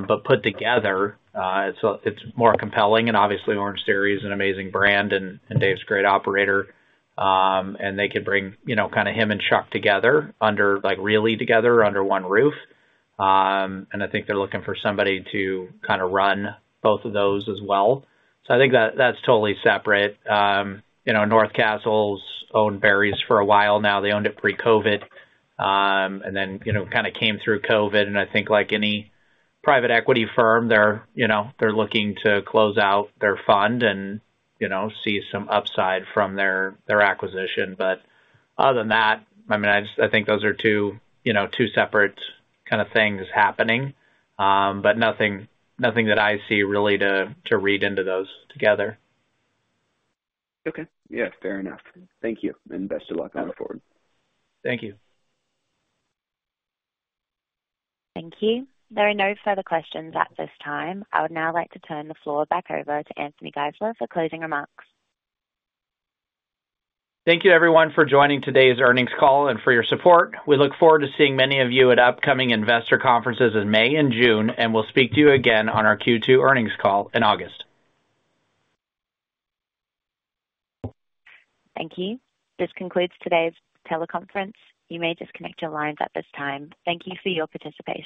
But put together, it's more compelling. And obviously, Orangetheory is an amazing brand and Dave's great operator. And they could bring kind of him and Chuck together under really together under one roof. And I think they're looking for somebody to kind of run both of those as well. So I think that's totally separate. North Castle's owned Barry's for a while now. They owned it pre-COVID and then kind of came through COVID. I think like any private equity firm, they're looking to close out their fund and see some upside from their acquisition. Other than that, I mean, I think those are two separate kind of things happening, but nothing that I see really to read into those together. Okay. Yeah. Fair enough. Thank you. And best of luck going forward. Thank you. Thank you. There are no further questions at this time. I would now like to turn the floor back over to Anthony Geisler for closing remarks. Thank you, everyone, for joining today's earnings call and for your support. We look forward to seeing many of you at upcoming investor conferences in May and June, and we'll speak to you again on our Q2 earnings call in August. Thank you. This concludes today's teleconference. You may disconnect your lines at this time. Thank you for your participation.